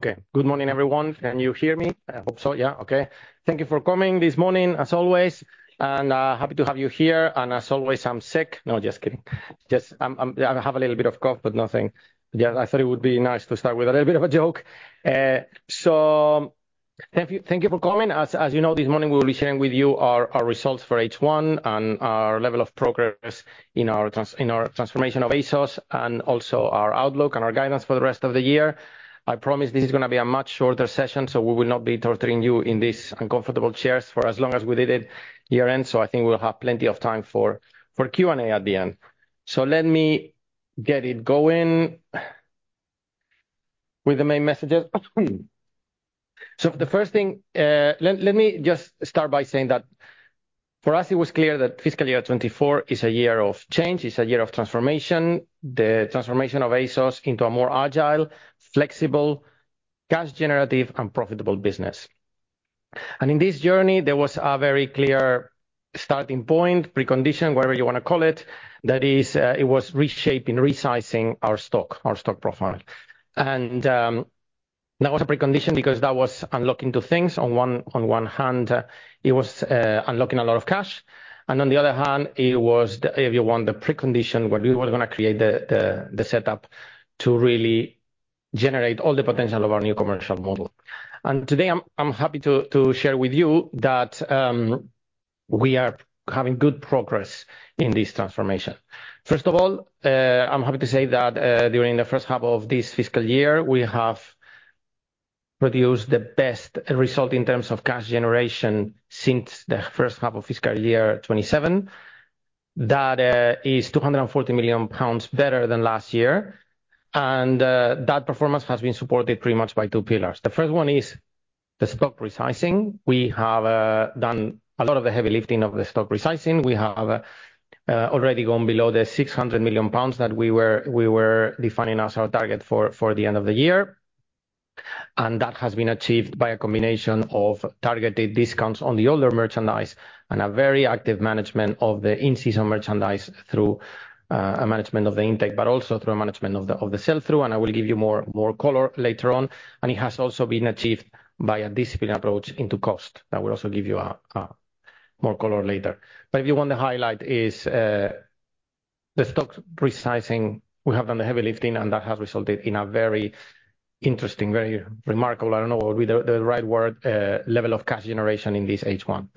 Okay. Good morning, everyone. Can you hear me? I hope so. Yeah, okay. Thank you for coming this morning, as always, and happy to have you here. And as always, I'm sick. No, just kidding. Just I have a little bit of a cough, but nothing... Yeah, I thought it would be nice to start with a little bit of a joke. So thank you, thank you for coming. As you know, this morning we will be sharing with you our results for H1 and our level of progress in our transformation of ASOS, and also our outlook and our guidance for the rest of the year. I promise this is gonna be a much shorter session, so we will not be torturing you in these uncomfortable chairs for as long as we did it year-end. So I think we'll have plenty of time for Q&A at the end. So let me get it going with the main messages. So the first thing, let me just start by saying that for us, it was clear that fiscal year 2024 is a year of change. It's a year of transformation, the transformation of ASOS into a more agile, flexible, cash generative and profitable business. And in this journey, there was a very clear starting point, precondition, whatever you wanna call it. That is, it was reshaping, resizing our stock, our stock profile. And that was a precondition because that was unlocking two things. On one hand, it was unlocking a lot of cash, and on the other hand, it was the, if you want, the precondition where we were gonna create the setup to really generate all the potential of our new commercial model. Today, I'm happy to share with you that we are having good progress in this transformation. First of all, I'm happy to say that during the first half of this fiscal year, we have produced the best result in terms of cash generation since the first half of fiscal year 27. That is 240 million pounds better than last year, and that performance has been supported pretty much by two pillars. The first one is the stock resizing. We have done a lot of the heavy lifting of the stock resizing. We have already gone below the 600 million pounds that we were, we were defining as our target for, for the end of the year. And that has been achieved by a combination of targeted discounts on the older merchandise, and a very active management of the in-season merchandise through a management of the intake, but also through a management of the, of the sell-through. And I will give you more, more color later on. And it has also been achieved by a disciplined approach into cost. I will also give you more color later. But if you want to highlight is, the stock resizing, we have done the heavy lifting, and that has resulted in a very interesting, very remarkable, I don't know the, the right word, level of cash generation in this H1.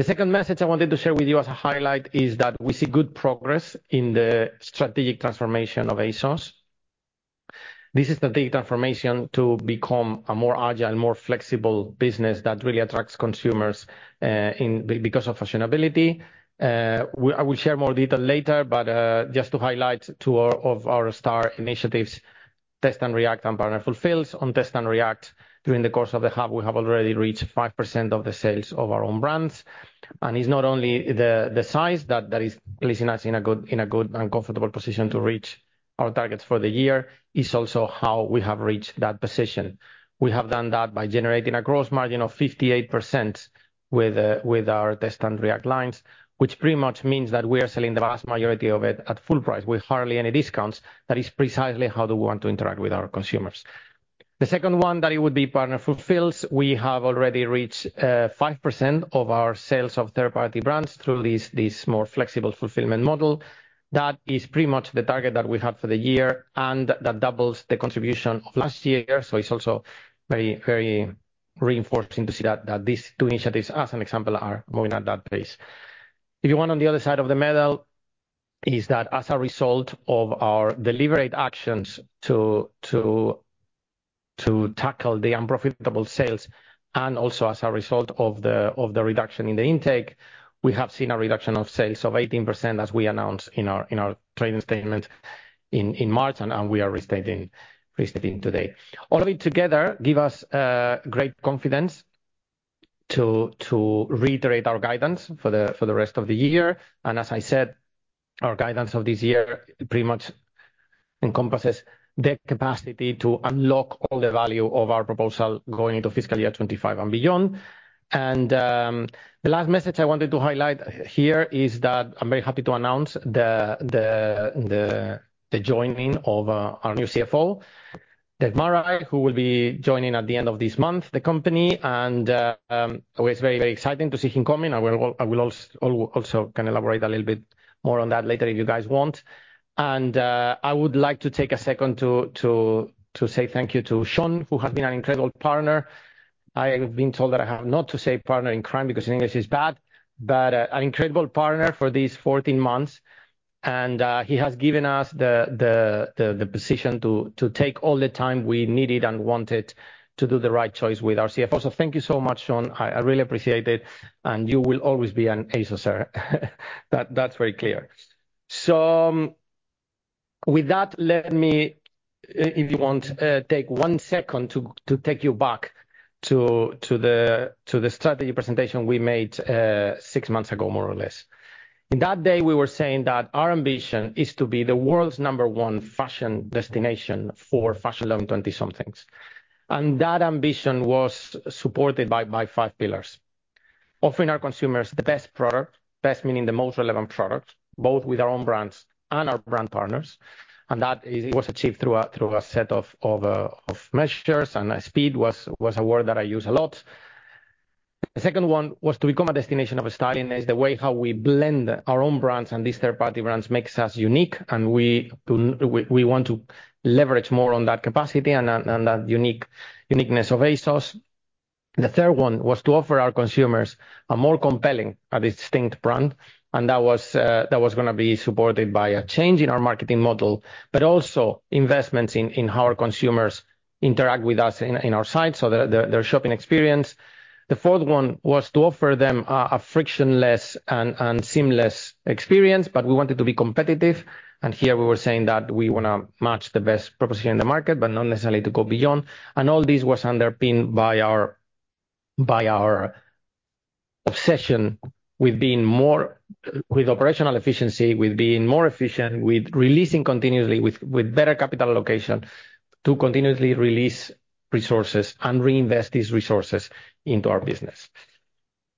The second message I wanted to share with you as a highlight is that we see good progress in the strategic transformation of ASOS. This is the data transformation to become a more agile, more flexible business that really attracts consumers because of fashionability. I will share more detail later, but just to highlight two of our star initiatives, Test and React and Partner Fulfils. On Test and React, during the course of the half, we have already reached 5% of the sales of our own brands. It's not only the size that is placing us in a good and comfortable position to reach our targets for the year. It's also how we have reached that position. We have done that by generating a gross margin of 58% with, with our Test and React lines, which pretty much means that we are selling the vast majority of it at full price, with hardly any discounts. That is precisely how we want to interact with our consumers. The second one, that it would be Partner Fulfils. We have already reached, five percent of our sales of third-party brands through this, this more Flexible Fulfilment model. That is pretty much the target that we have for the year, and that doubles the contribution of last year. So it's also very, very reinforcing to see that, that these two initiatives, as an example, are going at that pace. If you want, on the other side of the medal, is that as a result of our deliberate actions to tackle the unprofitable sales, and also as a result of the reduction in the intake, we have seen a reduction of sales of 18%, as we announced in our trading statement in March, and we are restating today. All of it together give us great confidence to reiterate our guidance for the rest of the year. And as I said, our guidance of this year pretty much encompasses the capacity to unlock all the value of our proposal going into fiscal year 2025 and beyond. The last message I wanted to highlight here is that I'm very happy to announce the joining of our new CFO, Dave Murray, who will be joining at the end of this month, the company. Always very, very exciting to see him coming. I will also can elaborate a little bit more on that later if you guys want. I would like to take a second to say thank you to Sean, who has been an incredible partner. I have been told that I have not to say partner in crime, because in English, it's bad, but an incredible partner for these 14 months. He has given us the position to take all the time we needed and wanted to do the right choice with our CFO. So thank you so much, Sean. I really appreciate it, and you will always be an ASOSer. That's very clear. So with that, let me, if you want, take one second to take you back to the strategy presentation we made, six months ago, more or less. In that day, we were saying that our ambition is to be the world's number 1 fashion destination for fashion-loving 20-somethings, and that ambition was supported by 5 pillars... offering our consumers the best product. Best, meaning the most relevant product, both with our own brands and our brand partners, and that is, it was achieved through a set of measures, and speed was a word that I use a lot. The second one was to become a destination of style, and it is the way how we blend our own brands and these third-party brands makes us unique, and we want to leverage more on that capacity and that uniqueness of ASOS. The third one was to offer our consumers a more compelling, distinct brand, and that was gonna be supported by a change in our marketing model, but also investments in how our consumers interact with us in our site, so their shopping experience. The fourth one was to offer them a frictionless and seamless experience, but we wanted to be competitive. And here we were saying that we wanna match the best proposition in the market, but not necessarily to go beyond. And all this was underpinned by our, by our obsession with being more with operational efficiency, with being more efficient, with releasing continuously, with, with better capital allocation, to continuously release resources and reinvest these resources into our business.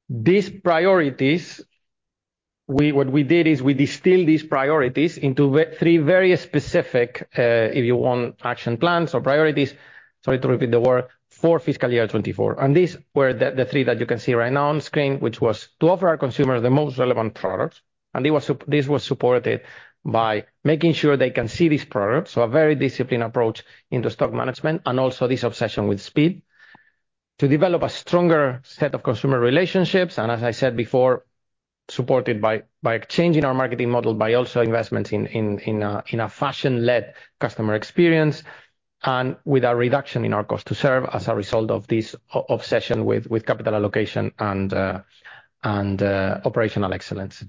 These priorities, we what we did is we distilled these priorities into three very specific, if you want, action plans or priorities, sorry to repeat the word, for fiscal year 2024. And these were the, the three that you can see right now on screen, which was to offer our consumers the most relevant products. And this was this was supported by making sure they can see these products, so a very disciplined approach into stock management, and also this obsession with speed. To develop a stronger set of consumer relationships, and as I said before, supported by changing our marketing model, by also investments in a fashion-led customer experience, and with a reduction in our cost to serve as a result of this obsession with capital allocation and operational excellence.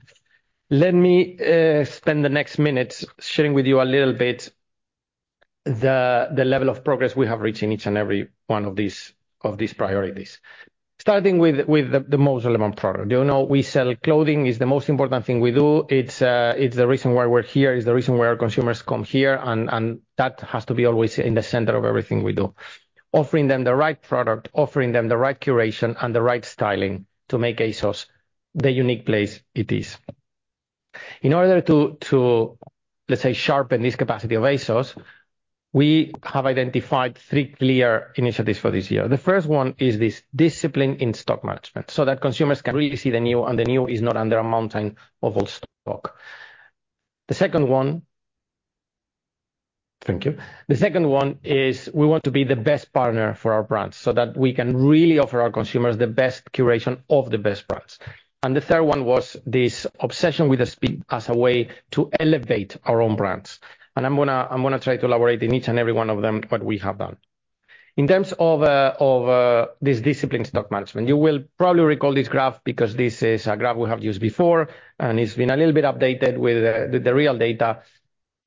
Let me spend the next minutes sharing with you a little bit the level of progress we have reached in each and every one of these priorities. Starting with the most relevant product. You know, we sell clothing, it's the most important thing we do. It's the reason why we're here, it's the reason why our consumers come here, and that has to be always in the center of everything we do. Offering them the right product, offering them the right curation and the right styling to make ASOS the unique place it is. In order to, let's say, sharpen this capacity of ASOS, we have identified three clear initiatives for this year. The first one is this discipline in stock management, so that consumers can really see the new, and the new is not under a mountain of old stock. The second one... Thank you. The second one is we want to be the best partner for our brands, so that we can really offer our consumers the best curation of the best brands. And the third one was this obsession with the speed as a way to elevate our own brands. And I'm gonna try to elaborate in each and every one of them, what we have done. In terms of this disciplined stock management, you will probably recall this graph because this is a graph we have used before, and it's been a little bit updated with the real data.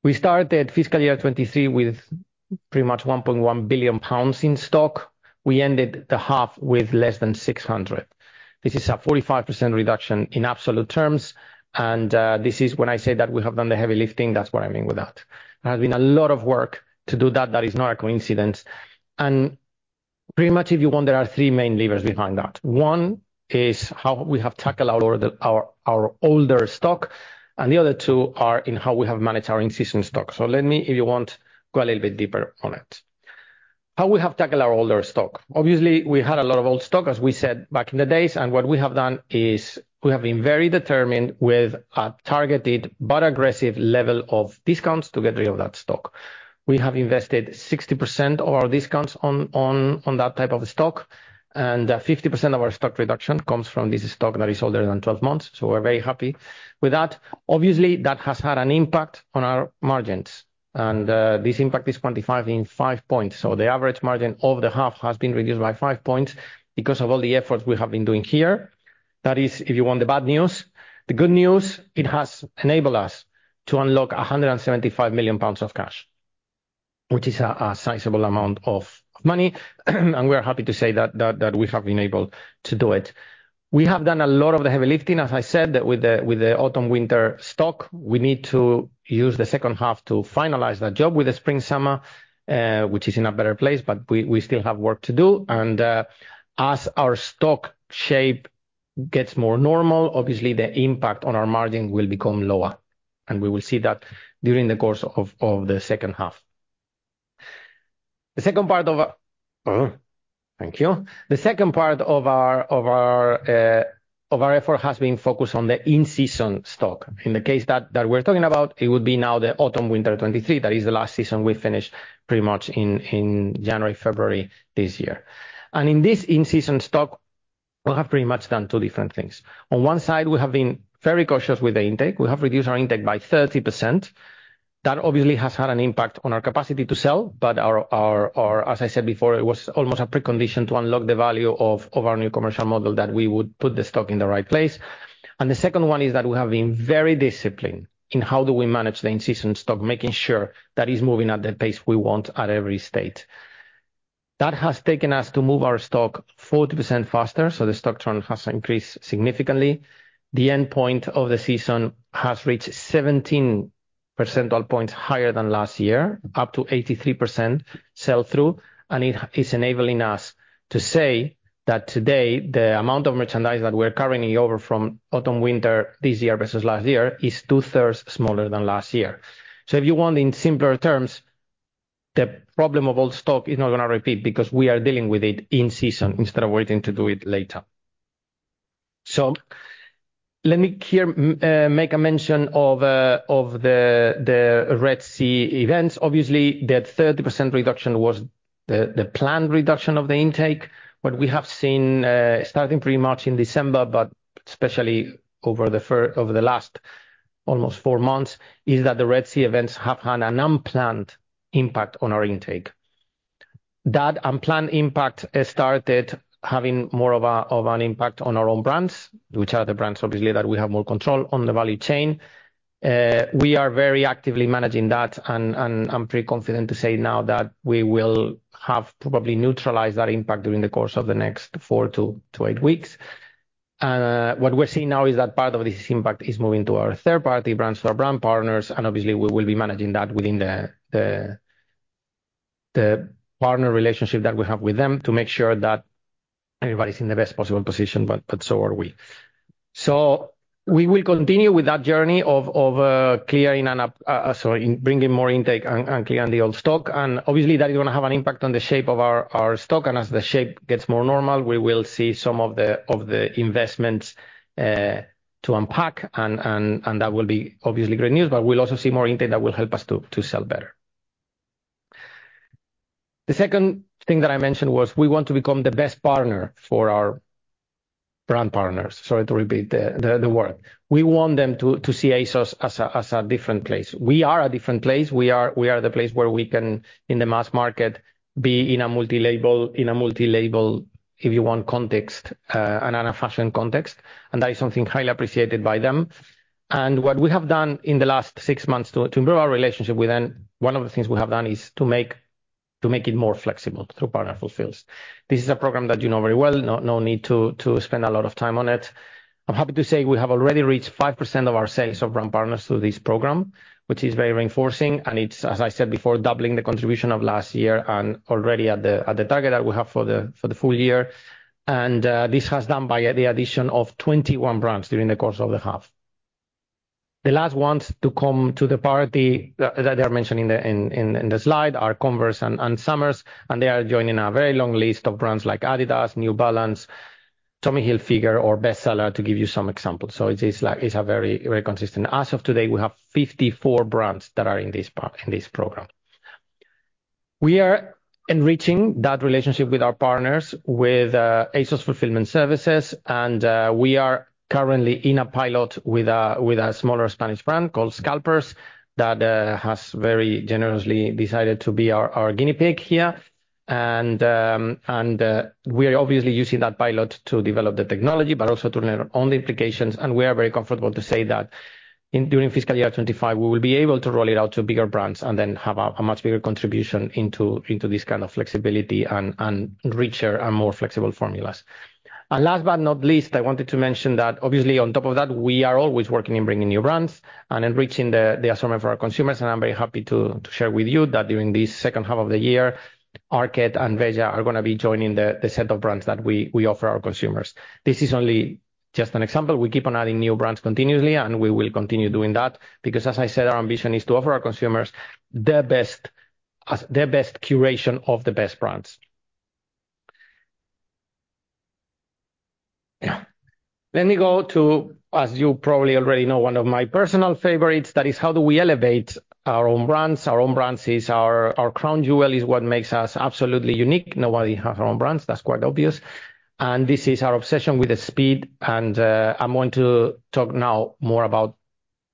We started fiscal year 2023 with pretty much 1.1 billion pounds in stock. We ended the half with less than 600 million. This is a 45% reduction in absolute terms, and this is when I say that we have done the heavy lifting, that's what I mean with that. There has been a lot of work to do that. That is not a coincidence. And pretty much, if you want, there are three main levers behind that. One is how we have tackled our older stock, and the other two are in how we have managed our in-season stock. So let me, if you want, go a little bit deeper on it. How we have tackled our older stock? Obviously, we had a lot of old stock, as we said back in the days, and what we have done is we have been very determined with a targeted but aggressive level of discounts to get rid of that stock. We have invested 60% of our discounts on that type of stock, and 50% of our stock reduction comes from this stock that is older than 12 months, so we're very happy with that. Obviously, that has had an impact on our margins, and this impact is quantified in 5 points. So the average margin over the half has been reduced by 5 points because of all the efforts we have been doing here. That is, if you want, the bad news. The good news, it has enabled us to unlock 175 million pounds of cash, which is a sizable amount of money, and we are happy to say that we have been able to do it. We have done a lot of the heavy lifting, as I said, with the Autumn/Winter stock. We need to use the second half to finalize the job with the Spring/Summer, which is in a better place, but we still have work to do. And as our stock shape gets more normal, obviously the impact on our margin will become lower, and we will see that during the course of the second half. The second part of... Thank you. The second part of our effort has been focused on the in-season stock. In the case that we're talking about, it would be now the Autumn/Winter 2023. That is the last season we finished pretty much in January, February this year. And in this in-season stock, we have pretty much done two different things. On one side, we have been very cautious with the intake. We have reduced our intake by 30%. That obviously has had an impact on our capacity to sell, but our, as I said before, it was almost a precondition to unlock the value of our new commercial model, that we would put the stock in the right place. And the second one is that we have been very disciplined in how do we manage the in-season stock, making sure that it's moving at the pace we want at every state. That has taken us to move our stock 40% faster, so the stock turn has increased significantly. The end point of the season has reached 17 percentage points higher than last year, up to 83% sell-through, and it is enabling us to say that today, the amount of merchandise that we're carrying over from Autumn/Winter this year versus last year is two-thirds smaller than last year. So if you want in simpler terms, the problem of old stock is not gonna repeat because we are dealing with it in season instead of waiting to do it later. So let me hear, make a mention of, of the, the Red Sea events. Obviously, that 30% reduction was the planned reduction of the intake, but we have seen, starting pretty much in December, but especially over the last almost four months, that the Red Sea events have had an unplanned impact on our intake. That unplanned impact has started having more of an impact on our own brands, which are the brands, obviously, that we have more control on the value chain. We are very actively managing that, and I'm pretty confident to say now that we will have probably neutralized that impact during the course of the next four to eight weeks. What we're seeing now is that part of this impact is moving to our third-party brands, to our brand partners, and obviously we will be managing that within the partner relationship that we have with them to make sure that everybody's in the best possible position, but so are we. So we will continue with that journey of bringing more intake and clearing the old stock. And obviously that is gonna have an impact on the shape of our stock, and as the shape gets more normal, we will see some of the investments to unpack, and that will be obviously great news, but we'll also see more intake that will help us to sell better. The second thing that I mentioned was we want to become the best partner for our brand partners. Sorry to repeat the word. We want them to see ASOS as a different place. We are a different place. We are the place where we can, in the mass market, be in a multi-label, if you want, context, and in a fashion context, and that is something highly appreciated by them. And what we have done in the last six months to improve our relationship with them, one of the things we have done is to make it more flexible through Partner Fulfils. This is a program that you know very well. No need to spend a lot of time on it. I'm happy to say we have already reached 5% of our sales of brand partners through this program, which is very reinforcing, and it's, as I said before, doubling the contribution of last year and already at the target that we have for the full year. This was done by the addition of 21 brands during the course of the half. The last ones to come to the party that are mentioned in the slide are Converse and Ann Summers, and they are joining a very long list of brands like Adidas, New Balance, Tommy Hilfiger or Bestseller, to give you some examples. So it is like, it's a very, very consistent. As of today, we have 54 brands that are in this program. We are enriching that relationship with our partners with ASOS Fulfilment Services, and we are currently in a pilot with a smaller Spanish brand called Scalpers, that has very generously decided to be our guinea pig here. And we are obviously using that pilot to develop the technology, but also to learn on the implications, and we are very comfortable to say that in during fiscal year 2025, we will be able to roll it out to bigger brands and then have a much bigger contribution into this kind of flexibility and richer and more flexible formulas. And last but not least, I wanted to mention that obviously on top of that, we are always working on bringing new brands and enriching the assortment for our consumers, and I'm very happy to share with you that during this second half of the year, Arket and Veja are gonna be joining the set of brands that we offer our consumers. This is only just an example. We keep on adding new brands continuously, and we will continue doing that, because as I said, our ambition is to offer our consumers the best assortment, the best curation of the best brands. Let me go to, as you probably already know, one of my personal favorites, that is, how do we elevate our own brands? Our own brands is our crown jewel, is what makes us absolutely unique. Nobody have our own brands. That's quite obvious. This is our obsession with the speed, and I'm going to talk now more about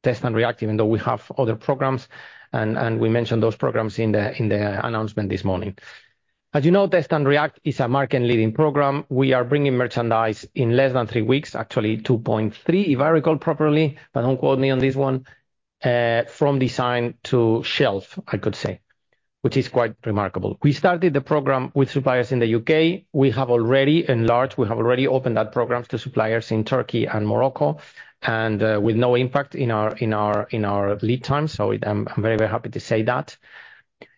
Test and React, even though we have other programs, and we mentioned those programs in the announcement this morning. As you know, Test and React is a market-leading program. We are bringing merchandise in less than three weeks, actually 2.3, if I recall properly, but don't quote me on this one, from design to shelf, I could say, which is quite remarkable. We started the program with suppliers in the U.K. We have already opened that program to suppliers in Turkey and Morocco, and with no impact in our lead time, so I'm very, very happy to say that.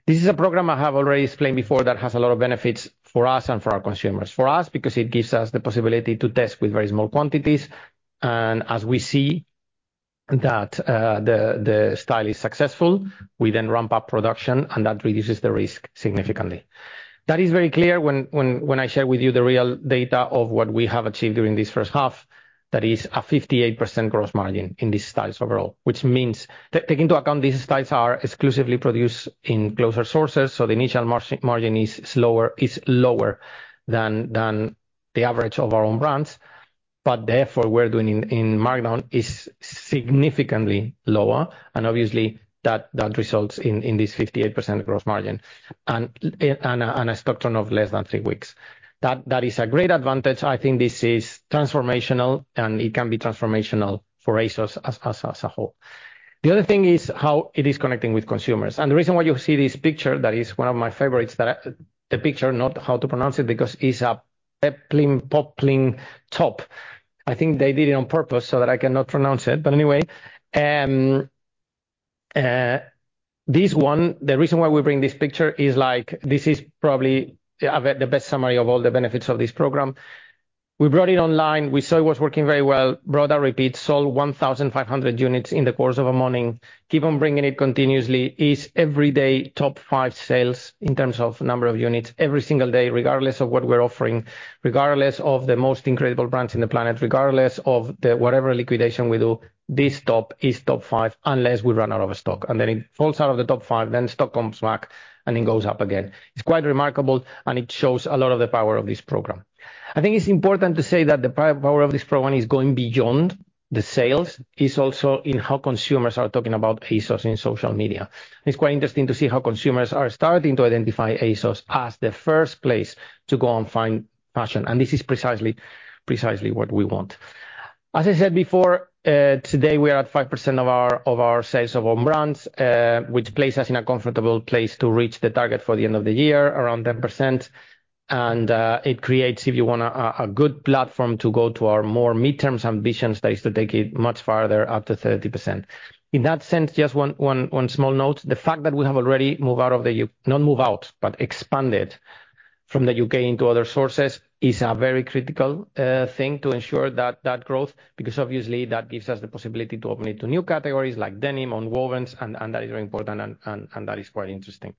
This is a program I have already explained before that has a lot of benefits for us and for our consumers. For us, because it gives us the possibility to test with very small quantities, and as we see that the style is successful, we then ramp up production, and that reduces the risk significantly. That is very clear when I share with you the real data of what we have achieved during this first half. That is a 58% gross margin in these styles overall, which means—take into account these styles are exclusively produced in closer sources, so the initial margin is slower, is lower than the average of our own brands, but therefore, we're doing in markdown is significantly lower, and obviously, that results in this 58% gross margin and a stock turn of less than three weeks. That is a great advantage. I think this is transformational, and it can be transformational for ASOS as a whole. The other thing is how it is connecting with consumers, and the reason why you see this picture, that is one of my favorites, that I—the picture, not how to pronounce it, because it's a peplum poplin top.... I think they did it on purpose so that I cannot pronounce it. But anyway, this one, the reason why we bring this picture is, like, this is probably the best summary of all the benefits of this program. We brought it online. We saw it was working very well, brought our repeats, sold 1,500 units in the course of a morning. Keep on bringing it continuously. It's every day, top five sales in terms of number of units, every single day, regardless of what we're offering, regardless of the most incredible brands on the planet, regardless of the whatever liquidation we do, this top is top five, unless we run out of stock, and then it falls out of the top five, then stock comes back, and it goes up again. It's quite remarkable, and it shows a lot of the power of this program. I think it's important to say that the power of this program is going beyond the sales. It's also in how consumers are talking about ASOS in social media. It's quite interesting to see how consumers are starting to identify ASOS as the first place to go and find fashion, and this is precisely, precisely what we want. As I said before, today, we are at 5% of our sales of own brands, which places us in a comfortable place to reach the target for the end of the year, around 10%. And it creates, if you want, a good platform to go to our more mid-term ambitions, that is to take it much farther, up to 30%. In that sense, just one small note, the fact that we have already moved out of the U... Not moved out, but expanded from the U.K. into other sources, is a very critical thing to ensure that growth, because obviously, that gives us the possibility to open it to new categories like denim and wovens, and that is very important, and that is quite interesting.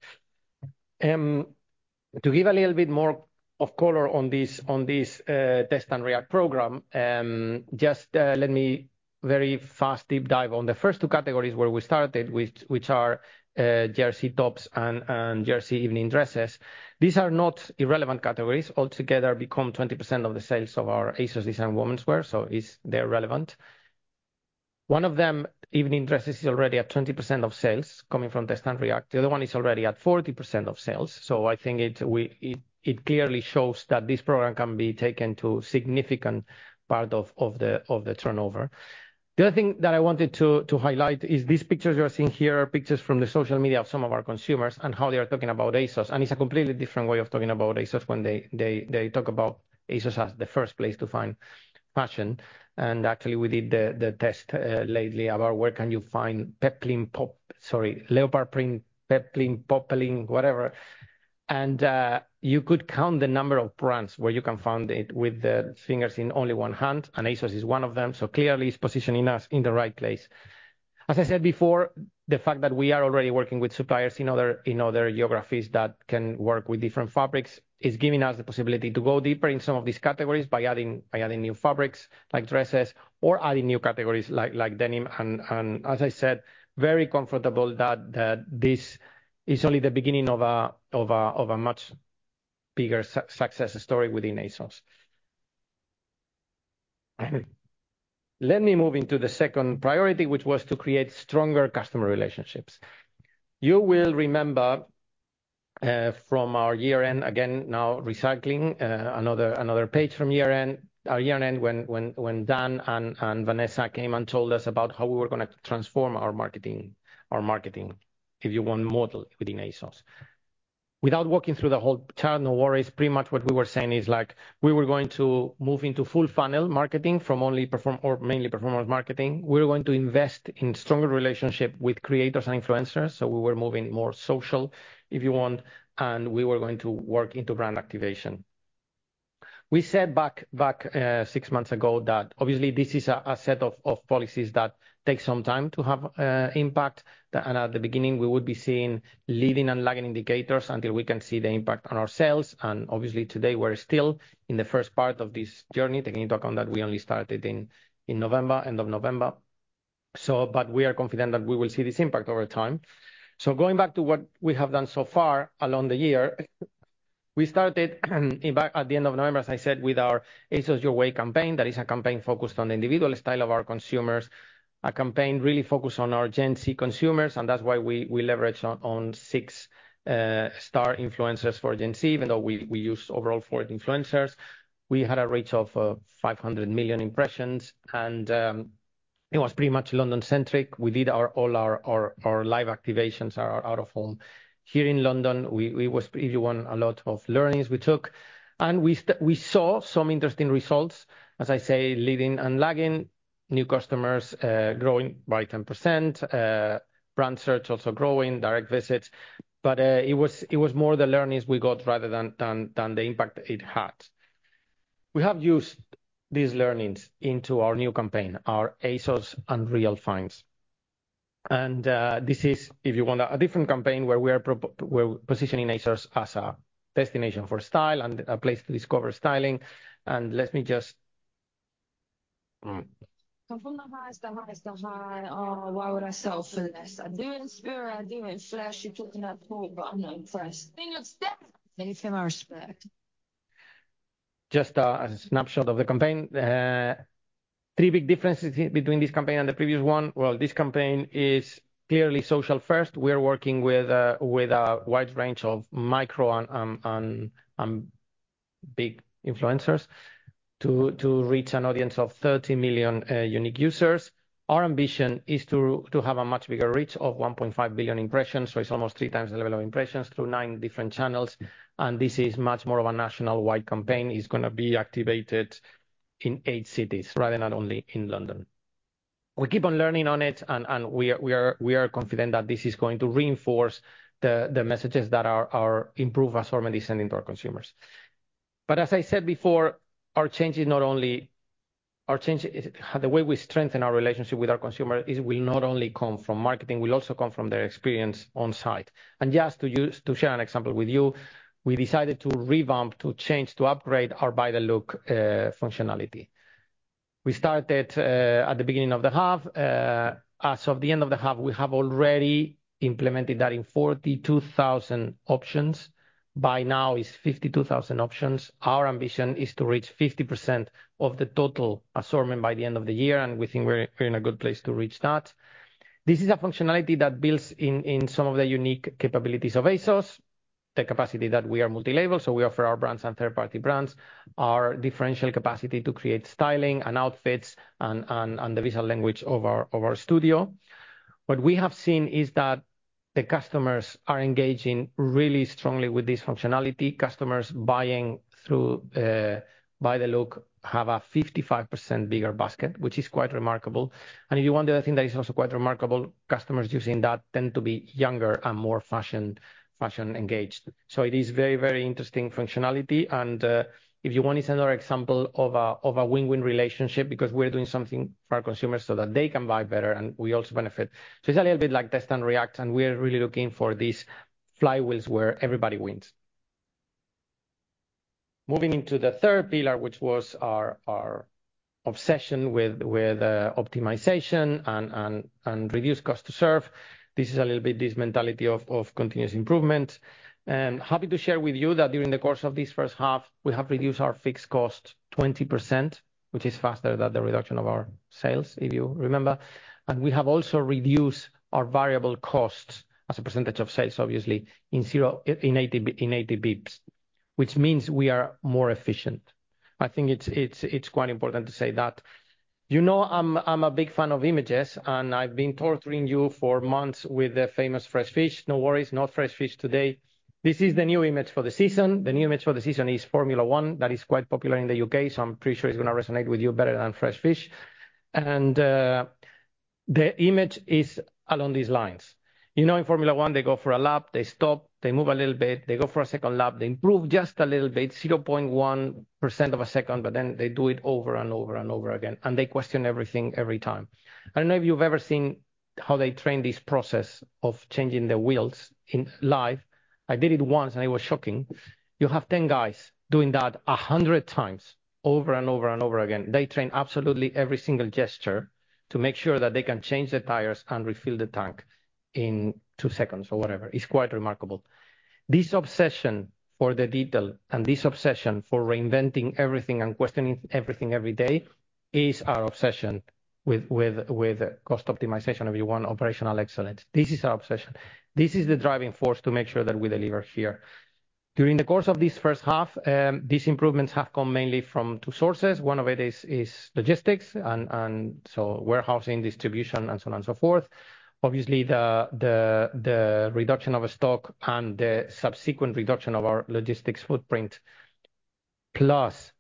To give a little bit more of color on this Test and React program, just let me very fast deep dive on the first two categories where we started, which are jersey tops and jersey evening dresses. These are not irrelevant categories. Altogether, become 20% of the sales of our ASOS Design womenswear, so it's, they're relevant. One of them, evening dresses, is already at 20% of sales coming from Test and React. The other one is already at 40% of sales, so I think it clearly shows that this program can be taken to significant part of the turnover. The other thing that I wanted to highlight is these pictures you are seeing here are pictures from the social media of some of our consumers and how they are talking about ASOS, and it's a completely different way of talking about ASOS when they talk about ASOS as the first place to find fashion. And actually, we did the test lately about where can you find peplum pop... Sorry, leopard print, peplum, poplin, whatever. And you could count the number of brands where you can find it with the fingers in only one hand, and ASOS is one of them. So clearly, it's positioning us in the right place. As I said before, the fact that we are already working with suppliers in other geographies that can work with different fabrics is giving us the possibility to go deeper in some of these categories by adding new fabrics, like dresses, or adding new categories like denim. And as I said, very comfortable that this is only the beginning of a much bigger success story within ASOS. Let me move into the second priority, which was to create stronger customer relationships. You will remember from our year end, again, now recycling another page from year end, our year end, when Dan and Vanessa came and told us about how we were gonna transform our marketing, if you want, model within ASOS. Without walking through the whole chart, no worries, pretty much what we were saying is, like, we were going to move into full funnel marketing from only performance or mainly performance marketing. We were going to invest in stronger relationship with creators and influencers, so we were moving more social, if you want, and we were going to work into brand activation. We said back six months ago, that obviously this is a set of policies that take some time to have impact. And at the beginning, we would be seeing leading and lagging indicators until we can see the impact on our sales. And obviously, today, we're still in the first part of this journey, taking into account that we only started in November, end of November. So, but we are confident that we will see this impact over time. So going back to what we have done so far along the year, we started, in fact, at the end of November, as I said, with our ASOS Your Way campaign. That is a campaign focused on the individual style of our consumers, a campaign really focused on our Gen Z consumers, and that's why we leveraged on six star influencers for Gen Z, even though we used overall 40 influencers. We had a reach of 500 million impressions, and it was pretty much London-centric. We did all our live activations, our out-of-home here in London. We was, if you want, a lot of learnings we took, and we saw some interesting results, as I say, leading and lagging, new customers growing by 10%, brand search also growing, direct visits. But, it was more the learnings we got rather than the impact it had. We have used these learnings into our new campaign, our ASOS Unreal Finds. And, this is, if you want, a different campaign where we are positioning ASOS as a destination for style and a place to discover styling. And let me just-... Come from the highest, the highest, the highest. Oh, why would I settle for less? I do it in spirit, I do it in flesh. You putting that full, but I'm not impressed. Thing of respect. Pay him our respect. Just, a snapshot of the campaign. Three big differences between this campaign and the previous one, well, this campaign is clearly social first. We are working with a wide range of micro and big influencers to reach an audience of 30 million unique users. Our ambition is to have a much bigger reach of 1.5 billion impressions, so it's almost three times the level of impressions through 9 different channels, and this is much more of a national-wide campaign. It's gonna be activated in 8 cities, rather than only in London. We keep on learning on it, and we are confident that this is going to reinforce the messages that our improved assortment is sending to our consumers. But as I said before, our change is not only—our change is, the way we strengthen our relationship with our consumer is, will not only come from marketing, will also come from their experience on site. Just to use, to share an example with you, we decided to revamp, to change, to upgrade our Buy the Look functionality. We started at the beginning of the half. As of the end of the half, we have already implemented that in 42,000 options. By now, it's 52,000 options. Our ambition is to reach 50% of the total assortment by the end of the year, and we think we're, we're in a good place to reach that. This is a functionality that builds in some of the unique capabilities of ASOS, the capacity that we are multi-label, so we offer our brands and third-party brands, our differential capacity to create styling and outfits, and the visual language of our studio. What we have seen is that the customers are engaging really strongly with this functionality. Customers buying through Buy the Look have a 55% bigger basket, which is quite remarkable. And if you wonder, I think that is also quite remarkable, customers using that tend to be younger and more fashion, fashion engaged. So it is very, very interesting functionality, and if you want, it's another example of a win-win relationship, because we're doing something for our consumers so that they can buy better, and we also benefit. So it's a little bit like Test and React, and we are really looking for these flywheels where everybody wins. Moving into the third pillar, which was our obsession with optimization and reduced cost to serve. This is a little bit this mentality of continuous improvement. Happy to share with you that during the course of this first half, we have reduced our fixed cost 20%, which is faster than the reduction of our sales, if you remember. And we have also reduced our variable costs as a percentage of sales, obviously, by 80 bps, which means we are more efficient. I think it's quite important to say that. You know, I'm a big fan of images, and I've been torturing you for months with the famous fresh fish. No worries, no fresh fish today. This is the new image for the season. The new image for the season is Formula 1. That is quite popular in the U.K., so I'm pretty sure it's gonna resonate with you better than fresh fish. And, the image is along these lines. You know, in Formula 1, they go for a lap, they stop, they move a little bit, they go for a second lap, they improve just a little bit, 0.1% of a second, but then they do it over and over and over again, and they question everything every time. I don't know if you've ever seen how they train this process of changing the wheels in life. I did it once, and it was shocking. You have 10 guys doing that 100 times over and over and over again. They train absolutely every single gesture to make sure that they can change the tires and refill the tank in two seconds or whatever. It's quite remarkable. This obsession for the detail and this obsession for reinventing everything and questioning everything every day is our obsession with cost optimization, if you want, operational excellence. This is our obsession. This is the driving force to make sure that we deliver here. During the course of this first half, these improvements have come mainly from two sources. One of it is logistics, and so warehousing, distribution, and so on and so forth. Obviously, the reduction of stock and the subsequent reduction of our logistics footprint, plus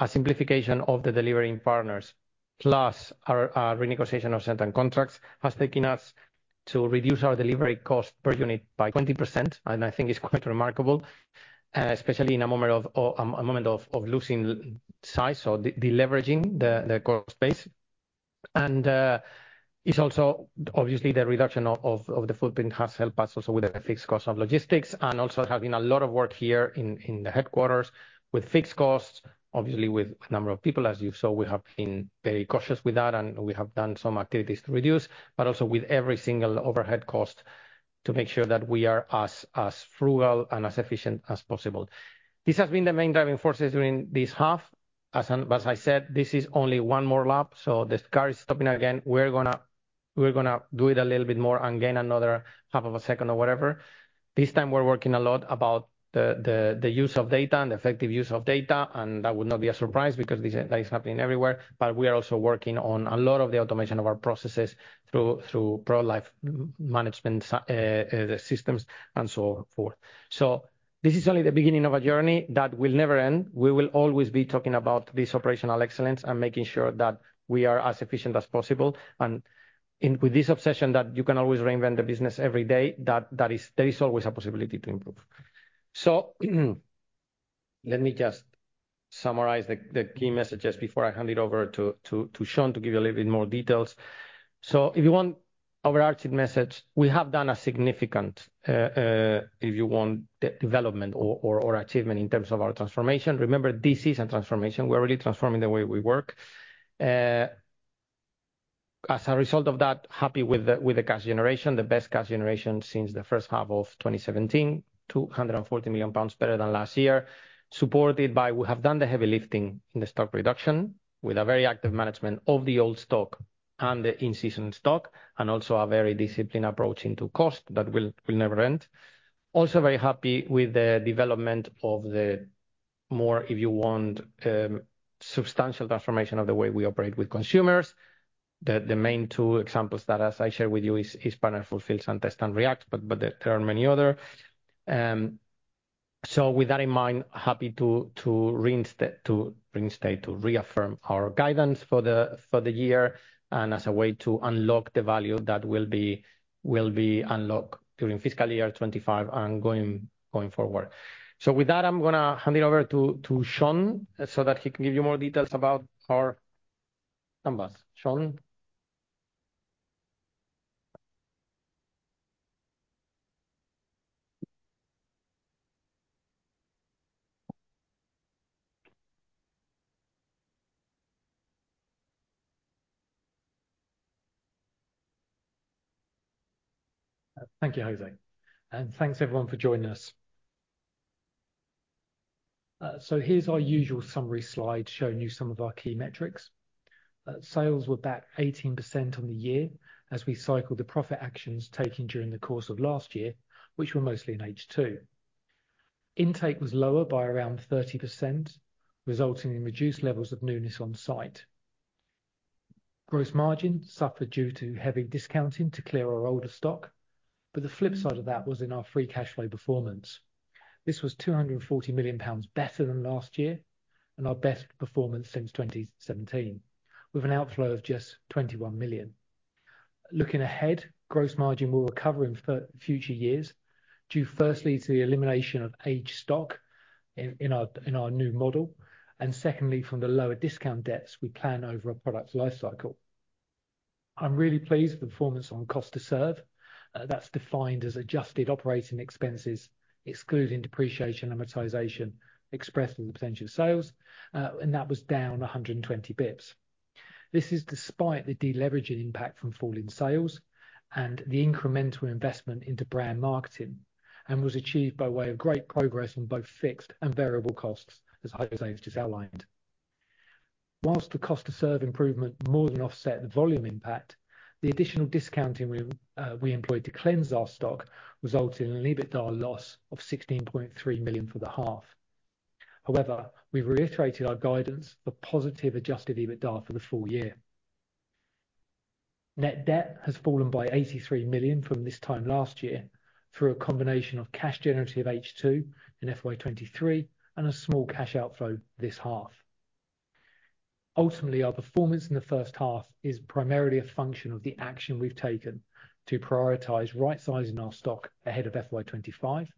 a simplification of the delivering partners, plus our renegotiation of certain contracts, has taken us to reduce our delivery cost per unit by 20%, and I think it's quite remarkable, especially in a moment of losing size, so deleveraging the core space. And it's also. Obviously, the reduction of the footprint has helped us also with the fixed cost of logistics and also having a lot of work here in the headquarters with fixed costs, obviously with a number of people. As you saw, we have been very cautious with that, and we have done some activities to reduce, but also with every single overhead cost to make sure that we are as frugal and as efficient as possible. This has been the main driving forces during this half. As I said, this is only one more lap, so this car is stopping again. We're gonna, we're gonna do it a little bit more and gain another half of a second or whatever. This time, we're working a lot about the use of data and effective use of data, and that would not be a surprise, because this, that is happening everywhere. But we are also working on a lot of the automation of our processes through product life management systems and so forth. So this is only the beginning of a journey that will never end. We will always be talking about this operational excellence and making sure that we are as efficient as possible. With this obsession that you can always reinvent the business every day, that is, there is always a possibility to improve. So let me just summarize the key messages before I hand it over to Sean to give you a little bit more details. So if you want overarching message, we have done a significant, if you want, development or achievement in terms of our transformation. Remember, this is a transformation. We're really transforming the way we work. As a result of that, happy with the cash generation, the best cash generation since the first half of 2017, 240 million pounds better than last year, supported by we have done the heavy lifting in the stock reduction, with a very active management of the old stock and the in-season stock, and also a very disciplined approach to cost that will never end. Also very happy with the development of the substantial transformation of the way we operate with consumers. The main two examples that, as I shared with you, is Partner Fulfils and Test and React, but there are many other. So with that in mind, happy to reinstate, to reaffirm our guidance for the year, and as a way to unlock the value that will be unlocked during fiscal year 25 and going forward. So with that, I'm gonna hand it over to Sean, so that he can give you more details about our numbers. Sean? Thank you, José, and thanks, everyone, for joining us. So here's our usual summary slide, showing you some of our key metrics. Sales were back 18% on the year as we cycled the profit actions taken during the course of last year, which were mostly in H2. Intake was lower by around 30%, resulting in reduced levels of newness on site. Gross margin suffered due to heavy discounting to clear our older stock, but the flip side of that was in our free cash flow performance. This was 240 million pounds better than last year, and our best performance since 2017, with an outflow of just 21 million. Looking ahead, gross margin will recover in future years, due firstly to the elimination of aged stock in our new model, and secondly, from the lower discount depth we plan over a product's life cycle. I'm really pleased with the performance on cost to serve. That's defined as adjusted operating expenses, excluding depreciation and amortization, expressed in the potential sales, and that was down 120 bps. This is despite the deleveraging impact from falling sales and the incremental investment into brand marketing, and was achieved by way of great progress on both fixed and variable costs, as José has just outlined. While the cost to serve improvement more than offset the volume impact, the additional discounting we employed to cleanse our stock resulted in an EBITDA loss of 16.3 million for the half. However, we've reiterated our guidance for positive adjusted EBITDA for the full year. Net debt has fallen by 83 million from this time last year, through a combination of cash generative H2 in FY 2023 and a small cash outflow this half. Ultimately, our performance in the first half is primarily a function of the action we've taken to prioritize rightsizing our stock ahead of FY 2025,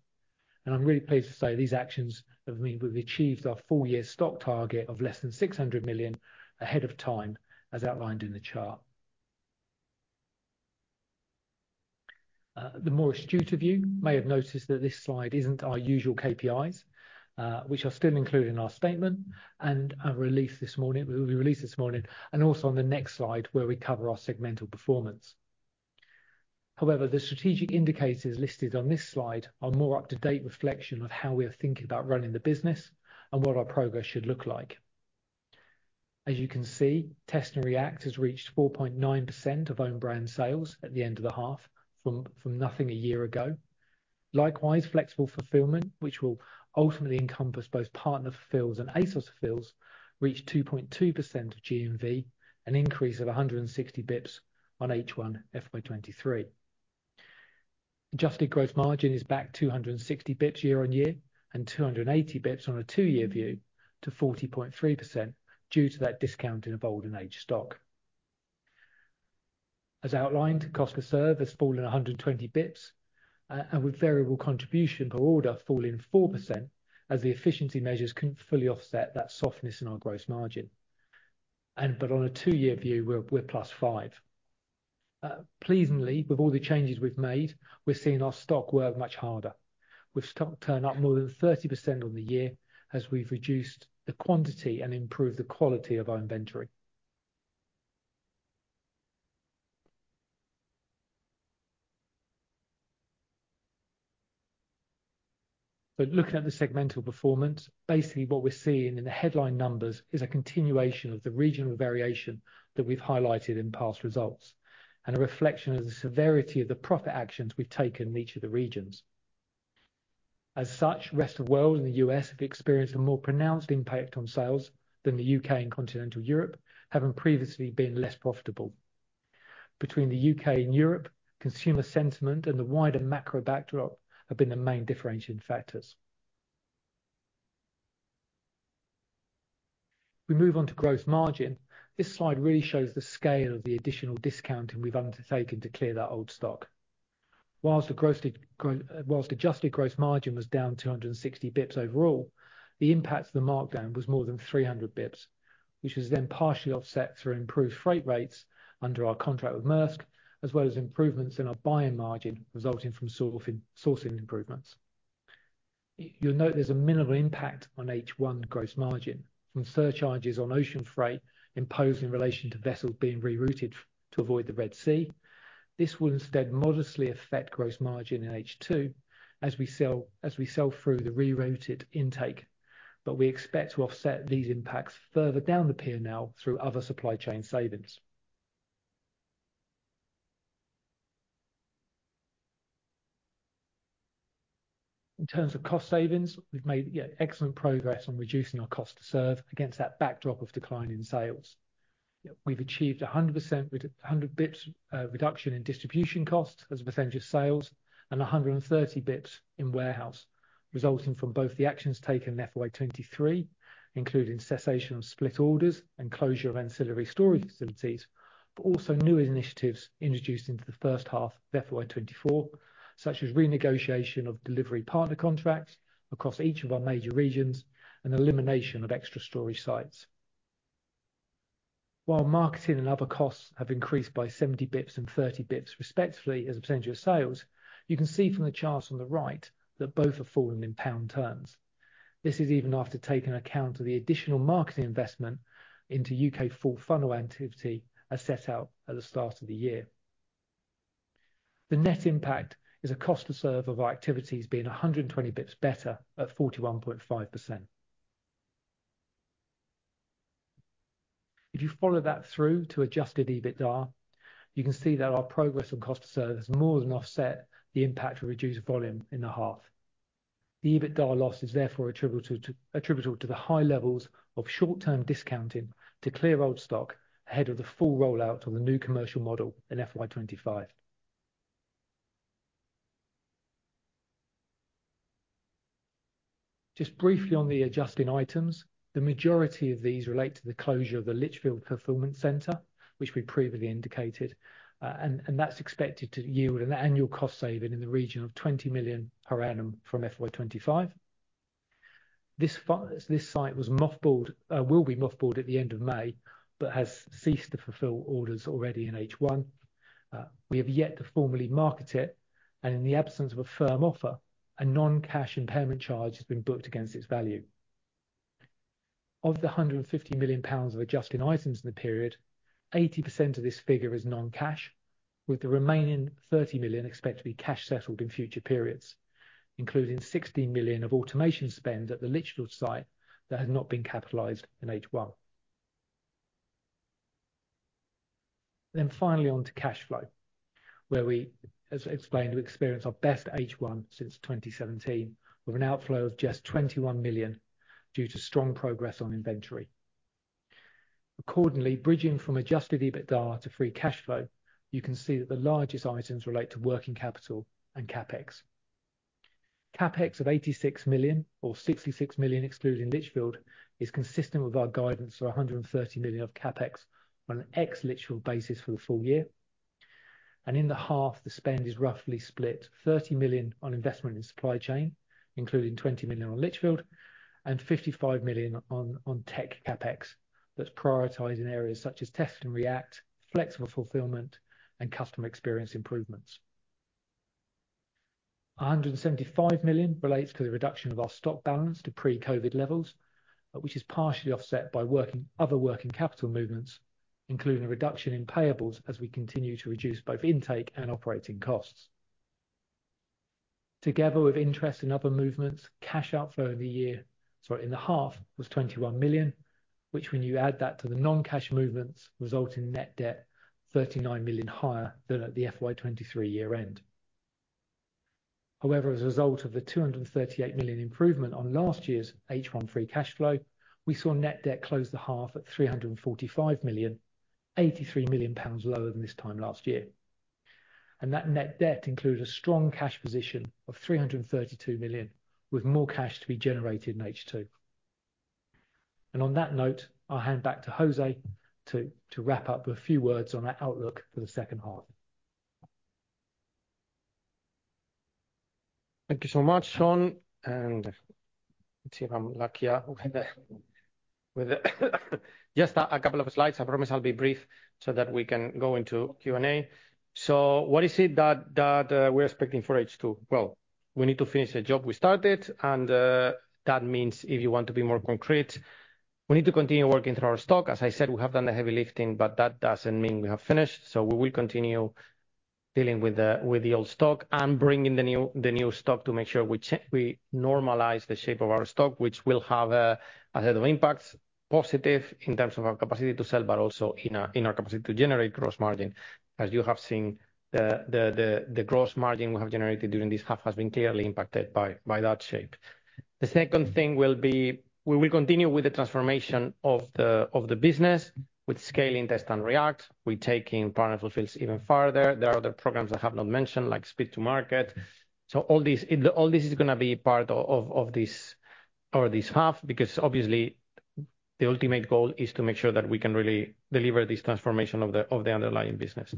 and I'm really pleased to say these actions have meant we've achieved our full year stock target of less than 600 million ahead of time, as outlined in the chart. The more astute of you may have noticed that this slide isn't our usual KPIs, which are still included in our statement and are released this morning, will be released this morning, and also on the next slide, where we cover our segmental performance. However, the strategic indicators listed on this slide are more up-to-date reflection of how we are thinking about running the business and what our progress should look like. As you can see, Test and React has reached 4.9% of own brand sales at the end of the half, from nothing a year ago. Likewise, Flexible Fulfilment, which will ultimately encompass both Partner Fulfils and ASOS Fulfills, reached 2.2% of GMV, an increase of 160 bps on H1 FY 2023. Adjusted gross margin is back 260 bps year-on-year, and 280 bps on a two-year view to 40.3%, due to that discounting of old and aged stock. As outlined, cost to serve has fallen 120 bps, and with variable contribution per order falling 4%, as the efficiency measures couldn't fully offset that softness in our gross margin. But on a two-year view, we're +5. Pleasingly, with all the changes we've made, we're seeing our stock work much harder, with stock turn up more than 30% on the year, as we've reduced the quantity and improved the quality of our inventory. So looking at the segmental performance, basically what we're seeing in the headline numbers is a continuation of the regional variation that we've highlighted in past results, and a reflection of the severity of the profit actions we've taken in each of the regions. As such, Rest of World and the U.S. have experienced a more pronounced impact on sales than the U.K. and Continental Europe, having previously been less profitable. Between the U.K. and Europe, consumer sentiment and the wider macro backdrop have been the main differentiating factors. We move on to gross margin. This slide really shows the scale of the additional discounting we've undertaken to clear that old stock. While adjusted gross margin was down 260 bps overall, the impact of the markdown was more than 300 bps, which was then partially offset through improved freight rates under our contract with Maersk, as well as improvements in our buying margin, resulting from sort of sourcing improvements. You'll note there's a minimal impact on H1 gross margin from surcharges on ocean freight imposed in relation to vessels being rerouted to avoid the Red Sea. This will instead modestly affect gross margin in H2 as we sell through the rerouted intake, but we expect to offset these impacts further down the pier now through other supply chain savings. In terms of cost savings, we've made, yeah, excellent progress on reducing our cost to serve against that backdrop of decline in sales. Yeah, we've achieved 100 basis points reduction in distribution costs as a percentage of sales and 130 basis points in warehouse, resulting from both the actions taken in FY 2023, including cessation of split orders and closure of ancillary storage facilities, but also new initiatives introduced into the first half of FY 2024, such as renegotiation of delivery partner contracts across each of our major regions and elimination of extra storage sites. While marketing and other costs have increased by 70 basis points and 30 basis points, respectively, as a percentage of sales, you can see from the charts on the right that both are falling in pound terms. This is even after taking account of the additional marketing investment into U.K. full funnel activity, as set out at the start of the year. The net impact is a cost to serve of our activities being 120 basis points better at 41.5%. If you follow that through to adjusted EBITDA, you can see that our progress on cost to serve has more than offset the impact of reduced volume in the half. The EBITDA loss is therefore attributable to the high levels of short-term discounting to clear old stock ahead of the full rollout of the new commercial model in FY 2025. Just briefly on the adjusting items, the majority of these relate to the closure of the Lichfield Fulfilment Centre, which we previously indicated. And that's expected to yield an annual cost saving in the region of 20 million per annum from FY 2025. This site was mothballed, will be mothballed at the end of May, but has ceased to fulfill orders already in H1. We have yet to formally market it, and in the absence of a firm offer, a non-cash impairment charge has been booked against its value. Of the 150 million pounds of adjusting items in the period, 80% of this figure is non-cash, with the remaining 30 million expected to be cash settled in future periods, including 16 million of automation spend at the Lichfield site that has not been capitalized in H1. Then finally, on to cash flow, where we, as explained, we experienced our best H1 since 2017, with an outflow of just 21 million due to strong progress on inventory. Accordingly, bridging from adjusted EBITDA to free cash flow, you can see that the largest items relate to working capital and CapEx. CapEx of 86 million, or 66 million, excluding Lichfield, is consistent with our guidance of 130 million of CapEx on an ex-Lichfield basis for the full year. In the half, the spend is roughly split: 30 million on investment in supply chain, including 20 million on Lichfield, and 55 million on tech CapEx that's prioritized in areas such as Test and React, Flexible Fulfilment, and customer experience improvements. 175 million relates to the reduction of our stock balance to pre-COVID levels, which is partially offset by other working capital movements, including a reduction in payables as we continue to reduce both intake and operating costs. Together with interest and other movements, cash outflow of the year, sorry, in the half, was 21 million, which, when you add that to the non-cash movements, result in net debt 39 million higher than at the FY 2023 year end. However, as a result of the 238 million improvement on last year's H1 free cash flow, we saw net debt close the half at 345 million, 83 million pounds lower than this time last year. And that net debt includes a strong cash position of 332 million, with more cash to be generated in H2. And on that note, I'll hand back to José to, to wrap up with a few words on our outlook for the second half. Thank you so much, Sean, and let's see if I'm lucky here with just a couple of slides. I promise I'll be brief so that we can go into Q&A. So what is it that we're expecting for H2? Well, we need to finish the job we started, and that means if you want to be more concrete, we need to continue working through our stock. As I said, we have done the heavy lifting, but that doesn't mean we have finished. So we will continue dealing with the old stock and bringing the new stock to make sure we normalize the shape of our stock, which will have a host of impacts, positive in terms of our capacity to sell, but also in our capacity to generate gross margin. As you have seen, the gross margin we have generated during this half has been clearly impacted by that shape. The second thing will be, we will continue with the transformation of the business with scaling Test and React. We're taking Partner Fulfils even farther. There are other programs I have not mentioned, like speed to market. So all this is going to be part of this half, because obviously, the ultimate goal is to make sure that we can really deliver this transformation of the underlying business.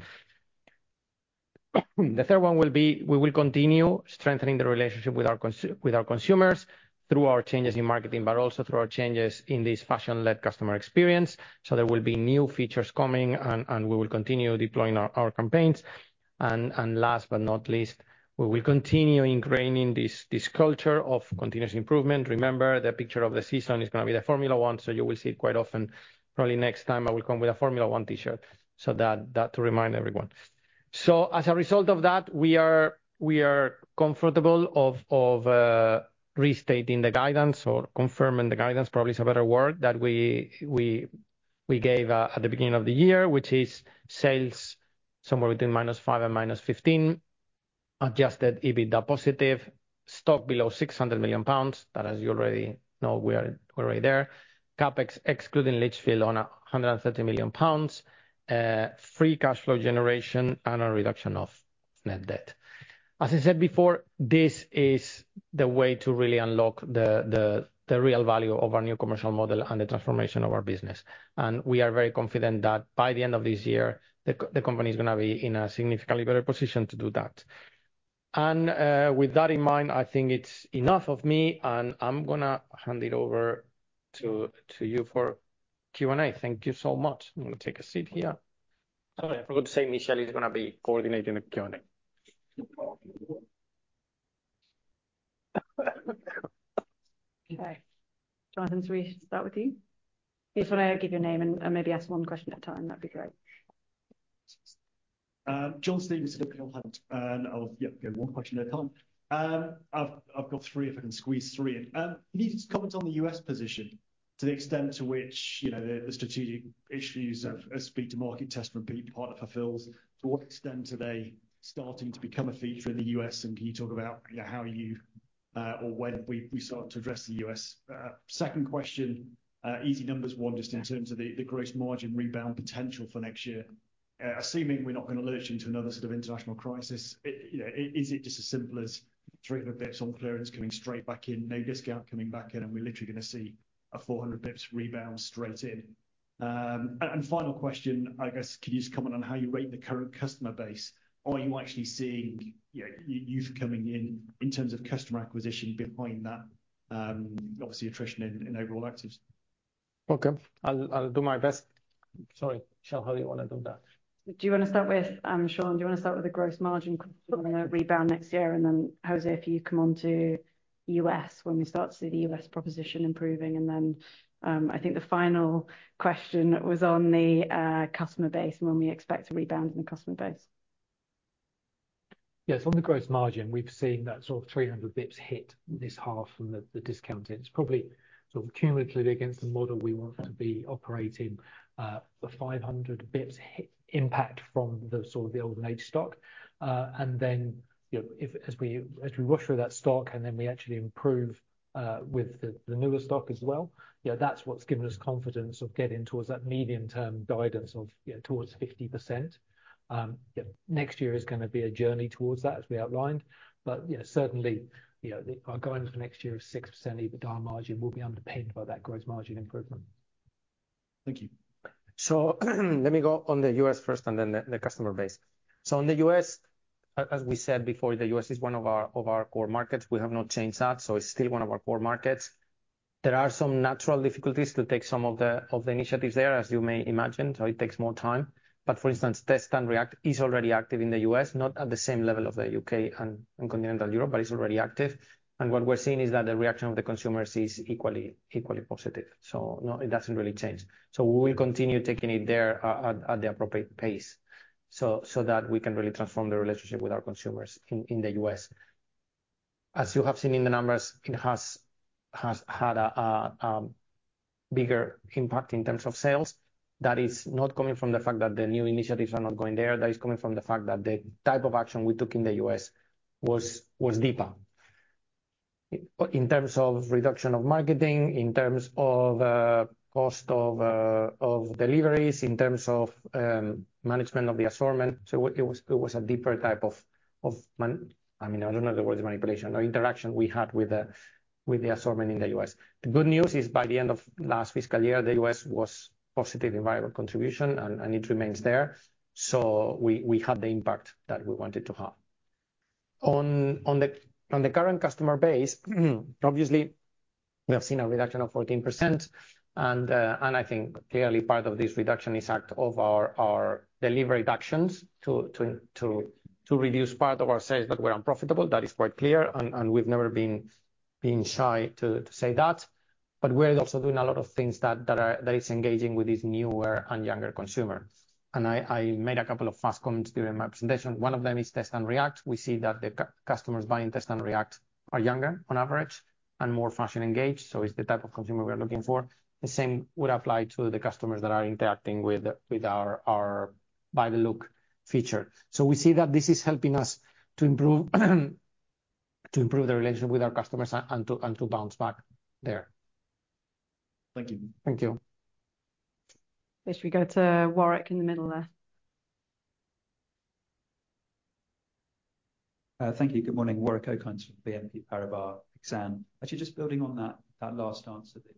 The third one will be, we will continue strengthening the relationship with our consumers through our changes in marketing, but also through our changes in this fashion-led customer experience. So there will be new features coming, and we will continue deploying our campaigns. Last but not least, we will continue ingraining this culture of continuous improvement. Remember, the picture of the season is going to be the Formula One, so you will see it quite often. Probably next time I will come with a Formula One T-shirt, so that to remind everyone. So as a result of that, we are comfortable of restating the guidance or confirming the guidance, probably is a better word, that we gave at the beginning of the year, which is sales somewhere between -5% and -15%, Adjusted EBITDA positive, stock below 600 million pounds. That, as you already know, we're already there. CapEx, excluding Lichfield, on 130 million pounds, free cash flow generation, and a reduction of net debt. As I said before, this is the way to really unlock the real value of our new commercial model and the transformation of our business. And we are very confident that by the end of this year, the company is gonna be in a significantly better position to do that. And with that in mind, I think it's enough of me, and I'm gonna hand it over to you for Q&A. Thank you so much. I'm gonna take a seat here. Oh, yeah, I forgot to say, Michelle is gonna be coordinating the Q&A. Okay. John, should we start with you? If you wanna give your name and maybe ask one question at a time, that'd be great. John Stevenson of Peel Hunt, and I'll give one question at a time. I've got three, if I can squeeze three in. Can you just comment on the U.S. position to the extent to which, you know, the strategic issues of speed to market, Test and React, Partner Fulfils, to what extent are they starting to become a feature in the U.S., and can you talk about, you know, how you or when we start to address the U.S.? Second question, easy numbers one, just in terms of the gross margin rebound potential for next year. Assuming we're not gonna lurch into another sort of international crisis, you know, is it just as simple as 300 bps on clearance coming straight back in, no discount coming back in, and we're literally gonna see a 400 bps rebound straight in? Final question, I guess, can you just comment on how you rate the current customer base? Are you actually seeing, you know, youth coming in, in terms of customer acquisition behind that, obviously attrition in overall actives? Okay. I'll do my best. Sorry, Sean, how do you want to do that? Do you wanna start with, Sean, do you wanna start with the gross margin kind of rebound next year? And then, José, if you come on to U.S., when we start to see the U.S. proposition improving. And then, I think the final question was on the customer base and when we expect to rebound in the customer base. Yes, on the gross margin, we've seen that sort of 300 bps hit this half from the discount. It's probably sort of cumulatively against the model we want to be operating, the 500 bps impact from the sort of the old and aged stock. And then, you know, if as we, as we rush through that stock, and then we actually improve, with the newer stock as well, you know, that's what's given us confidence of getting towards that medium-term guidance of, you know, towards 50%. Yeah, next year is gonna be a journey towards that, as we outlined, but, you know, certainly, you know, our going into the next year of 6% EBITDA margin will be underpinned by that gross margin improvement. Thank you. So let me go on the U.S. first, and then the customer base. So in the U.S., as we said before, the U.S. is one of our core markets. We have not changed that, so it's still one of our core markets. There are some natural difficulties to take some of the initiatives there, as you may imagine, so it takes more time. But for instance, Test and React is already active in the U.S., not at the same level of the U.K. and Continental Europe, but it's already active. And what we're seeing is that the reaction of the consumers is equally positive. So no, it doesn't really change. So we will continue taking it there at the appropriate pace, so that we can really transform the relationship with our consumers in the U.S. As you have seen in the numbers, it has had a bigger impact in terms of sales. That is not coming from the fact that the new initiatives are not going there. That is coming from the fact that the type of action we took in the U.S. was deeper. In terms of reduction of marketing, in terms of cost of deliveries, in terms of management of the assortment. So it was a deeper type of, I mean, I don't know the word manipulation, or interaction we had with the assortment in the U.S. The good news is, by the end of last fiscal year, the U.S. was positive in variable contribution, and it remains there, so we had the impact that we wanted to have. On the current customer base, obviously, we have seen a reduction of 14%, and I think clearly part of this reduction is a result of our delivery reductions to reduce part of our sales that were unprofitable. That is quite clear, and we've never been shy to say that. But we're also doing a lot of things that are engaging with these newer and younger consumer. And I made a couple of past comments during my presentation. One of them is Test and React. We see that the customers buying Test and React are younger on average and more fashion engaged, so it's the type of consumer we are looking for. The same would apply to the customers that are interacting with our Buy the Look feature. We see that this is helping us to improve the relationship with our customers and to bounce back there. Thank you. Thank you. Should we go to Warwick in the middle there? Thank you. Good morning, Warwick Okines from BNP Paribas Exane. Actually, just building on that, that last answer that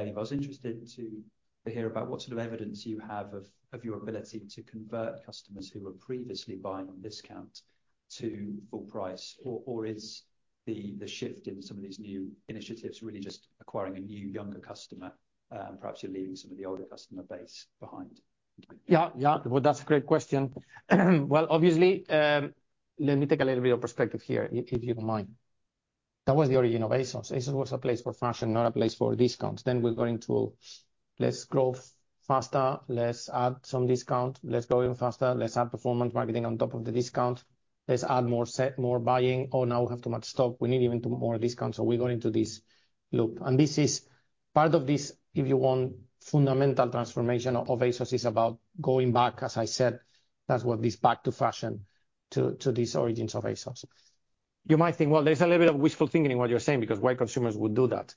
you gave, I was interested to hear about what sort of evidence you have of, of your ability to convert customers who were previously buying on discount to full price, or, or is the, the shift in some of these new initiatives really just acquiring a new, younger customer, and perhaps you're leaving some of the older customer base behind? Yeah, yeah. Well, that's a great question. Well, obviously, let me take a little bit of perspective here, if, if you don't mind. That was the origin of ASOS. ASOS was a place for fashion, not a place for discounts. Then we got into, let's grow faster, let's add some discount, let's grow even faster, let's add performance marketing on top of the discount. Let's add more set, more buying. Oh, now we have too much stock. We need even more discount. So we got into this-... look, and this is part of this, if you want, fundamental transformation of, of ASOS is about going back, as I said, that's what this back to fashion, to, to these origins of ASOS. You might think, well, there's a little bit of wishful thinking in what you're saying, because why consumers would do that?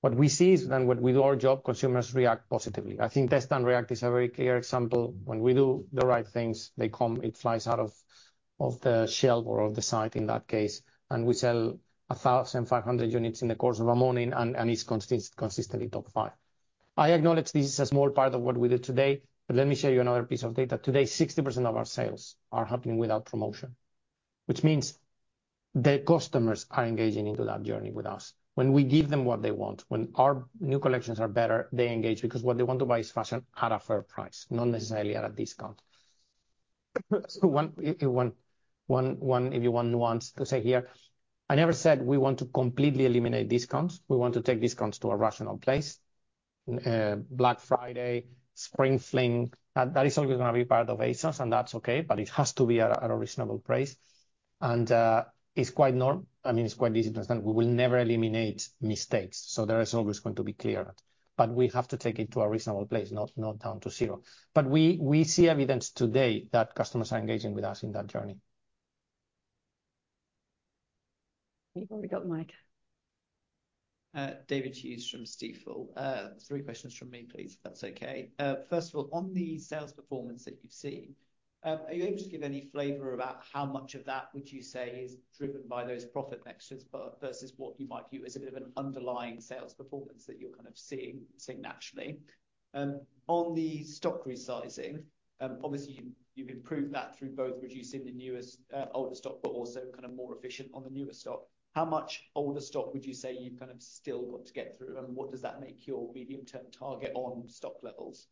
What we see is when we do our job, consumers react positively. I think Test and React is a very clear example. When we do the right things, they come, it flies out of the shelf or the site, in that case, and we sell 1,500 units in the course of a morning, and it's consistently top five. I acknowledge this is a small part of what we do today, but let me show you another piece of data. Today, 60% of our sales are happening without promotion, which means the customers are engaging into that journey with us. When we give them what they want, when our new collections are better, they engage because what they want to buy is fashion at a fair price, not necessarily at a discount. If you want nuance to say here, I never said we want to completely eliminate discounts. We want to take discounts to a rational place. Black Friday, Spring Fling, that, that is always going to be part of ASOS, and that's okay, but it has to be at a reasonable price. And, I mean, it's quite easy to understand. We will never eliminate mistakes, so there is always going to be clearout, but we have to take it to a reasonable place, not, not down to zero. But we, we see evidence today that customers are engaging with us in that journey. You've already got the mic. David Hughes from Stifel. Three questions from me, please, if that's okay. First of all, on the sales performance that you've seen, are you able to give any flavor about how much of that would you say is driven by those product mixes, but versus what you might view as a bit of an underlying sales performance that you're kind of seeing naturally? On the stock resizing, obviously, you've improved that through both reducing the oldest older stock, but also kind of more efficient on the newer stock. How much older stock would you say you've kind of still got to get through, and what does that make your medium-term target on stock levels?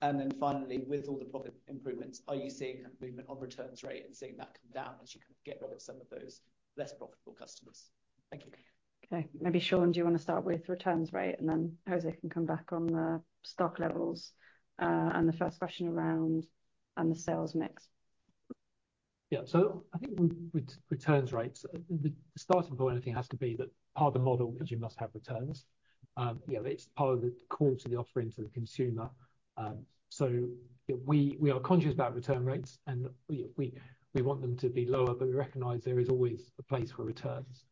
Then finally, with all the profit improvements, are you seeing movement on returns rate and seeing that come down as you can get rid of some of those less profitable customers? Thank you. Okay, maybe, Sean, do you want to start with returns rate, and then José can come back on the stock levels, and the first question around on the sales mix. Yeah. So I think with, with returns rates, the starting point, I think, has to be that part of the model is you must have returns. You know, it's part of the core to the offering to the consumer. So we, we are conscious about return rates, and we, we, we want them to be lower, but we recognize there is always a place for returns.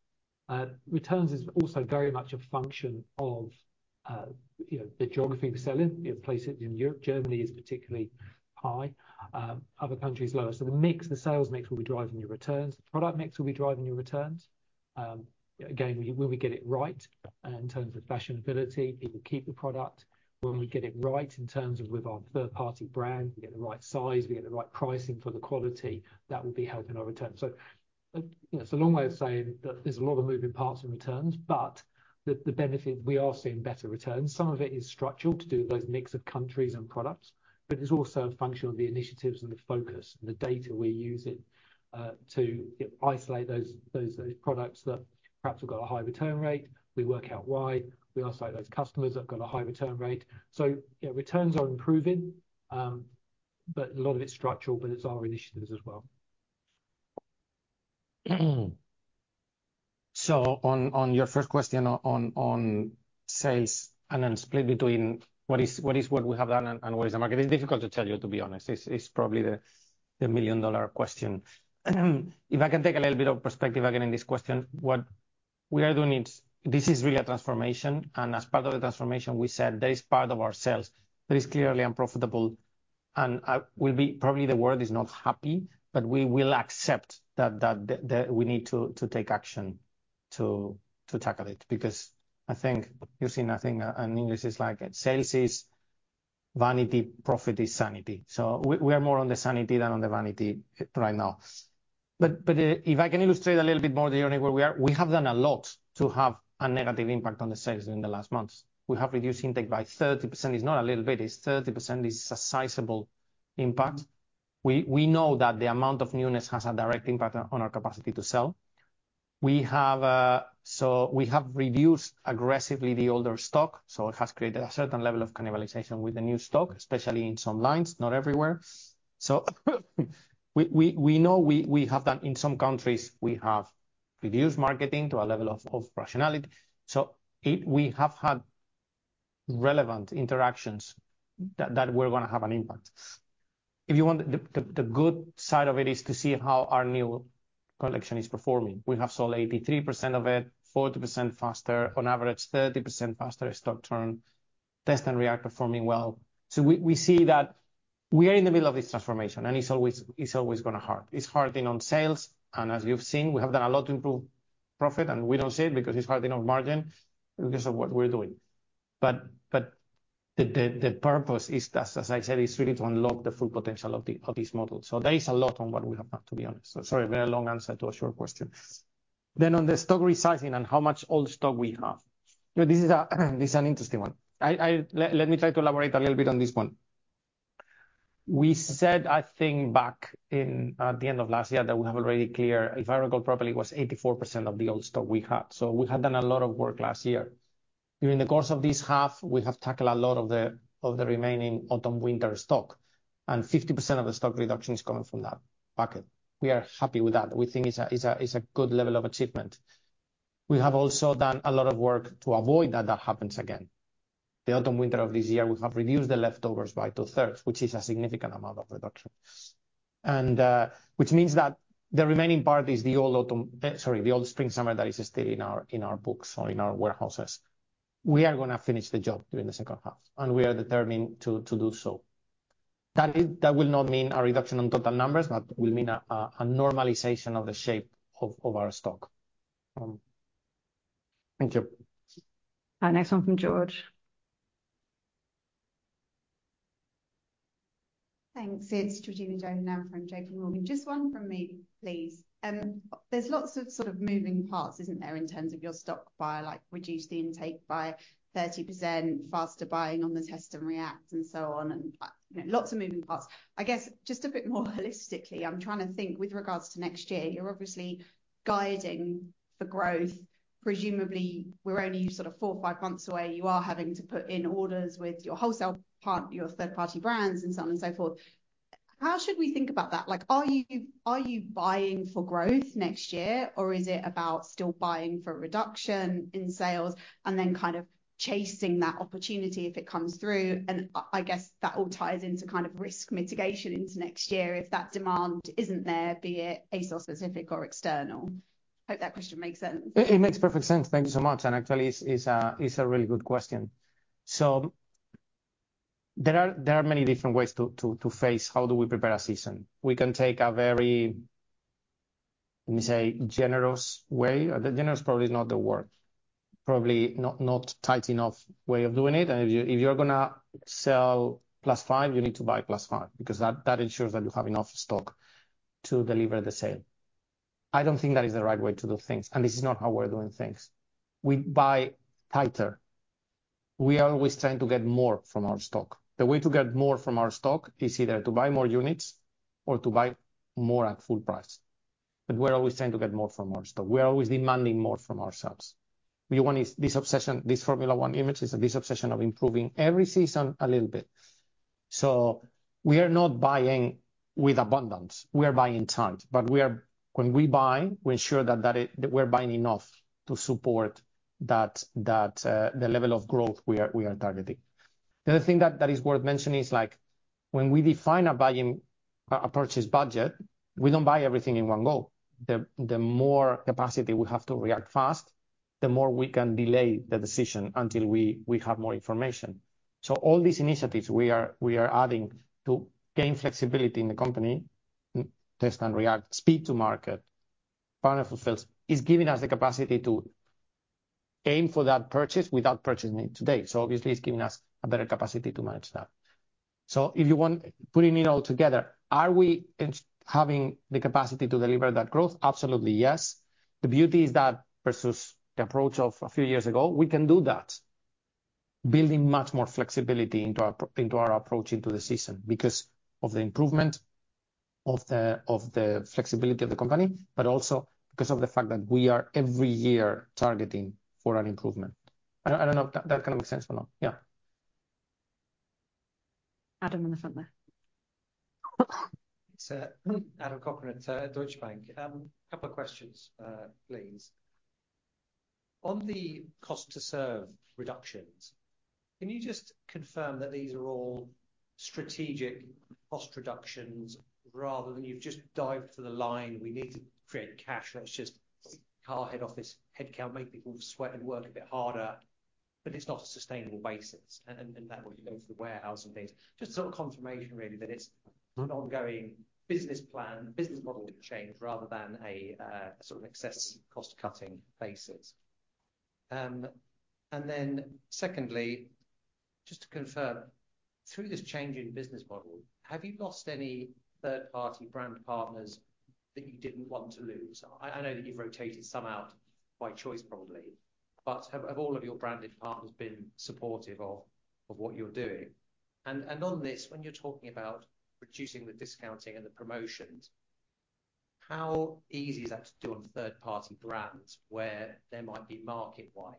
Returns is also very much a function of, you know, the geography we sell in. You know, places in Europe, Germany is particularly high, other countries lower. So the mix, the sales mix will be driving your returns. The product mix will be driving your returns. Again, when we get it right in terms of fashionability, people keep the product. When we get it right in terms of with our third-party brand, we get the right size, we get the right pricing for the quality, that will be helping our returns. So, it's a long way of saying that there's a lot of moving parts in returns, but the benefit, we are seeing better returns. Some of it is structural to do with those mix of countries and products, but it's also a function of the initiatives and the focus and the data we're using to isolate those products that perhaps have got a high return rate. We work out why. We also have those customers that have got a high return rate. So, yeah, returns are improving, but a lot of it's structural, but it's our initiatives as well. So on your first question on sales, and then split between what is what we have done and what is the market, it's difficult to tell you, to be honest. It's probably the million-dollar question. If I can take a little bit of perspective again in this question, what we are doing is this is really a transformation, and as part of the transformation, we said there is part of our sales that is clearly unprofitable, and we'll be... Probably, the word is not happy, but we will accept that we need to take action to tackle it. Because I think you see nothing, and English is like, sales is vanity, profit is sanity. So we are more on the sanity than on the vanity right now. But if I can illustrate a little bit more the only where we are, we have done a lot to have a negative impact on the sales in the last months. We have reduced intake by 30%. It's not a little bit, it's 30%. It's a sizable impact. We know that the amount of newness has a direct impact on our capacity to sell. We have, so we have reduced aggressively the older stock, so it has created a certain level of cannibalization with the new stock, especially in some lines, not everywhere. So we know we have done in some countries, we have reduced marketing to a level of rationality. So it, we have had relevant interactions that we're going to have an impact. If you want, the good side of it is to see how our new collection is performing. We have sold 83% of it, 40% faster, on average, 30% faster stock turn, Test and React, performing well. So we see that we are in the middle of this transformation, and it's always gonna hurt. It's hurting on sales, and as you've seen, we have done a lot to improve profit, and we don't see it because it's hurting on margin because of what we're doing. But the purpose is, as I said, really to unlock the full potential of this model. So there is a lot on what we have done, to be honest. So sorry, very long answer to a short question. Then on the stock resizing and how much old stock we have. This is a, this is an interesting one. I... Let me try to elaborate a little bit on this one. We said, I think back in the end of last year, that we have already cleared, if I recall properly, 84% of the old stock we had. So we had done a lot of work last year. During the course of this half, we have tackled a lot of the remaining Autumn/Winter stock, and 50% of the stock reduction is coming from that bucket. We are happy with that. We think it's a good level of achievement. We have also done a lot of work to avoid that happening again. The autumn winter of this year, we have reduced the leftovers by two-thirds, which is a significant amount of reduction. Which means that the remaining part is the old autumn, sorry, the old spring, summer that is still in our books or in our warehouses. We are gonna finish the job during the second half, and we are determined to do so. That is, that will not mean a reduction on total numbers, but will mean a normalization of the shape of our stock. Thank you. Our next one from Georgina. Thanks. It's Georgina Johanan from J.P. Morgan. Just one from me, please. There's lots of sort of moving parts, isn't there, in terms of your stock buy, like reduce the intake by 30%, faster buying on the Test and React, and so on, and, lots of moving parts. I guess, just a bit more holistically, I'm trying to think with regards to next year, you're obviously guiding for growth. Presumably, we're only sort of 4, 5 months away. You are having to put in orders with your wholesale part, your third-party brands and so on and so forth. How should we think about that? Like, are you, are you buying for growth next year, or is it about still buying for reduction in sales and then kind of chasing that opportunity if it comes through? I guess that all ties into kind of risk mitigation into next year if that demand isn't there, be it ASOS specific or external. Hope that question makes sense. It makes perfect sense. Thank you so much. And actually, it's a really good question. So there are many different ways to face how we prepare a season. We can take a very, let me say, generous way. Generous probably is not the word. Probably not tight enough way of doing it, and if you're gonna sell +5, you need to buy +5, because that ensures that you have enough stock to deliver the sale. I don't think that is the right way to do things, and this is not how we're doing things. We buy tighter. We are always trying to get more from our stock. The way to get more from our stock is either to buy more units or to buy more at full price. But we're always trying to get more from our stock. We're always demanding more from ourselves. We want this obsession, this Formula One image is this obsession of improving every season a little bit. So we are not buying with abundance, we are buying tight, but we are. When we buy, we ensure that it, we're buying enough to support that, the level of growth we are targeting. The other thing that is worth mentioning is, like, when we define our buying, our purchase budget, we don't buy everything in one go. The more capacity we have to react fast, the more we can delay the decision until we have more information. So all these initiatives we are, we are adding to gain flexibility in the company, Test and React, speed to market, Partner Fulfils, is giving us the capacity to aim for that purchase without purchasing it today. So obviously, it's giving us a better capacity to manage that. So if you want, putting it all together, are we in, having the capacity to deliver that growth? Absolutely, yes. The beauty is that versus the approach of a few years ago, we can do that, building much more flexibility into our, into our approach into the season, because of the improvement of the, of the flexibility of the company, but also because of the fact that we are every year targeting for an improvement. I don't, I don't know if that kinda makes sense or not. Yeah. Adam in the front there. It's Adam Cochrane at Deutsche Bank. A couple of questions, please. On the cost to serve reductions, can you just confirm that these are all strategic cost reductions rather than you've just dived for the line, "We need to create cash, let's just cut head off this headcount, make people sweat and work a bit harder," but it's not a sustainable basis, and, and, and that way you go through the warehouse and things. Just a sort of confirmation, really, that it's an ongoing business plan, business model to change rather than a sort of excess cost-cutting basis. And then secondly, just to confirm, through this change in business model, have you lost any third-party brand partners that you didn't want to lose? I know that you've rotated some out by choice, probably, but have all of your branded partners been supportive of what you're doing? And on this, when you're talking about reducing the discounting and the promotions, how easy is that to do on third-party brands where there might be market-wide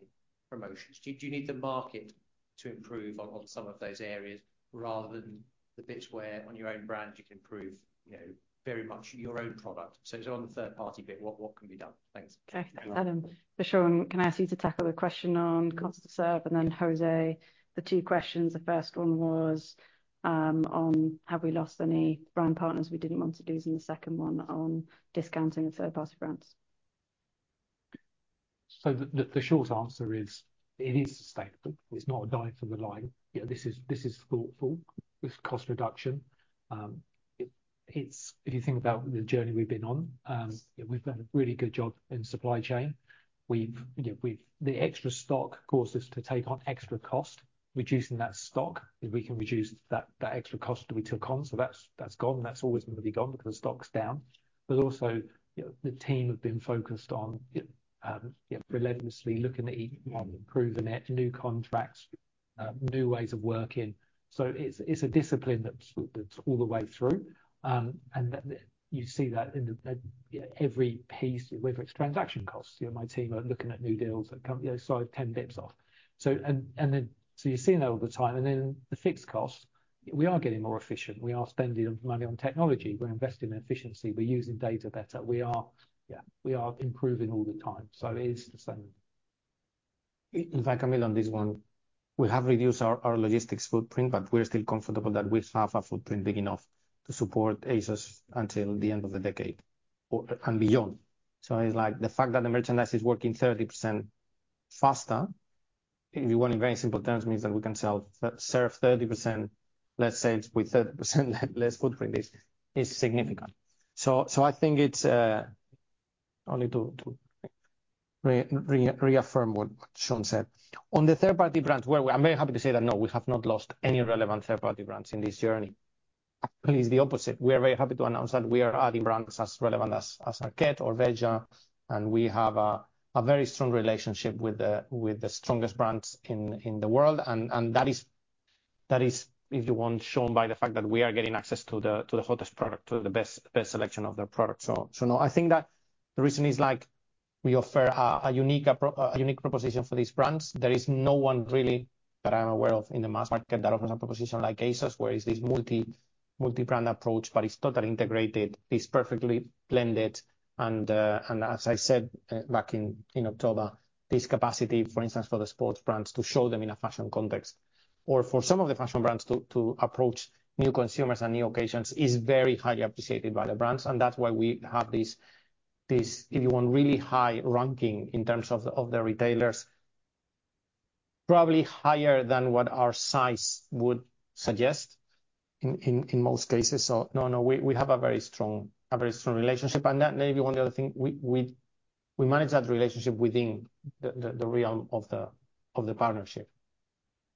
promotions? Do you need the market to improve on some of those areas rather than the bits where on your own brand, you can improve, you know, very much your own product? So it's on the third-party bit, what can be done? Thanks. Okay, Adam. So Sean, can I ask you to tackle the question on cost to serve? And then, José, the two questions, the first one was, on have we lost any brand partners we didn't want to lose, and the second one on discounting and third-party brands. So the short answer is, it is sustainable. It's not a dive for the line. Yeah, this is thoughtful. This cost reduction, it's if you think about the journey we've been on, we've done a really good job in supply chain. You know, the extra stock caused us to take on extra cost. Reducing that stock, if we can reduce that, that extra cost that we took on, so that's gone, that's always going to be gone because the stock's down. But also, you know, the team have been focused on relentlessly looking at each one, improving it, new contracts, new ways of working. So it's a discipline that's all the way through. And then you see that in every piece, whether it's transaction costs, you know, my team are looking at new deals that come, you know, slide 10 bps off. So you're seeing that all the time. We are getting more efficient. We are spending money on technology, we're investing in efficiency, we're using data better. We are, yeah, we are improving all the time, so it is the same. In fact, Camille, on this one, we have reduced our logistics footprint, but we're still comfortable that we have a footprint big enough to support ASOS until the end of the decade or and beyond. So it's like the fact that the merchandise is working 30% faster, if you want, in very simple terms, means that we can sell, serve 30% less sales with 30% less footprint is significant. So I think it's only to reaffirm what Sean said. On the third party brand, well, I'm very happy to say that no, we have not lost any relevant third party brands in this journey. Actually, it's the opposite. We are very happy to announce that we are adding brands as relevant as Arket or Veja, and we have a very strong relationship with the strongest brands in the world. And that is, if you want, shown by the fact that we are getting access to the hottest product, to the best selection of their product. So no, I think that the reason is, like, we offer a unique proposition for these brands. There is no one really, that I'm aware of, in the mass market that offers a proposition like ASOS, where it's this multi-brand approach, but it's totally integrated, it's perfectly blended. As I said back in October, this capacity, for instance, for the sports brands, to show them in a fashion context, or for some of the fashion brands to approach new consumers and new occasions, is very highly appreciated by the brands. And that's why we have this, if you want, really high ranking in terms of the retailers. Probably higher than what our size would suggest in most cases. So no, we have a very strong relationship. And that may be one other thing, we manage that relationship within the realm of the partnership.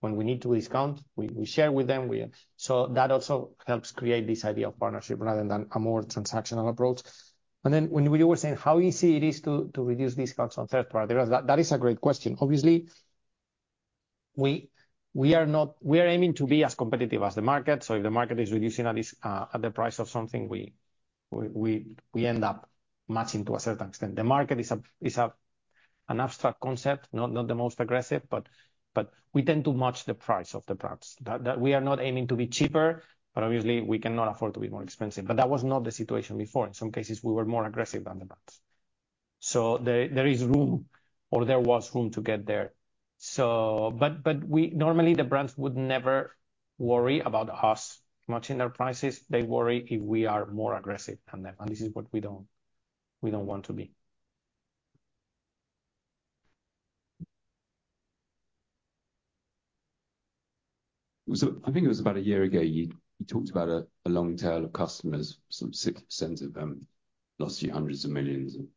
When we need to discount, we share with them, we... So that also helps create this idea of partnership, rather than a more transactional approach. And then when you were saying how easy it is to reduce discounts on third party, that is a great question. Obviously, we are not. We are aiming to be as competitive as the market, so if the market is reducing at this, at the price of something, we end up matching to a certain extent. The market is a, is an abstract concept, not the most aggressive, but we tend to match the price of the brands. That. We are not aiming to be cheaper, but obviously, we cannot afford to be more expensive. But that was not the situation before. In some cases, we were more aggressive than the brands. So there is room, or there was room to get there. So, but we. Normally, the brands would never worry about us matching their prices. They worry if we are more aggressive than them, and this is what we don't, we don't want to be. Was it, I think it was about a year ago, you talked about a long tail of customers, some 6% of them, cost you hundreds of millions GBP, and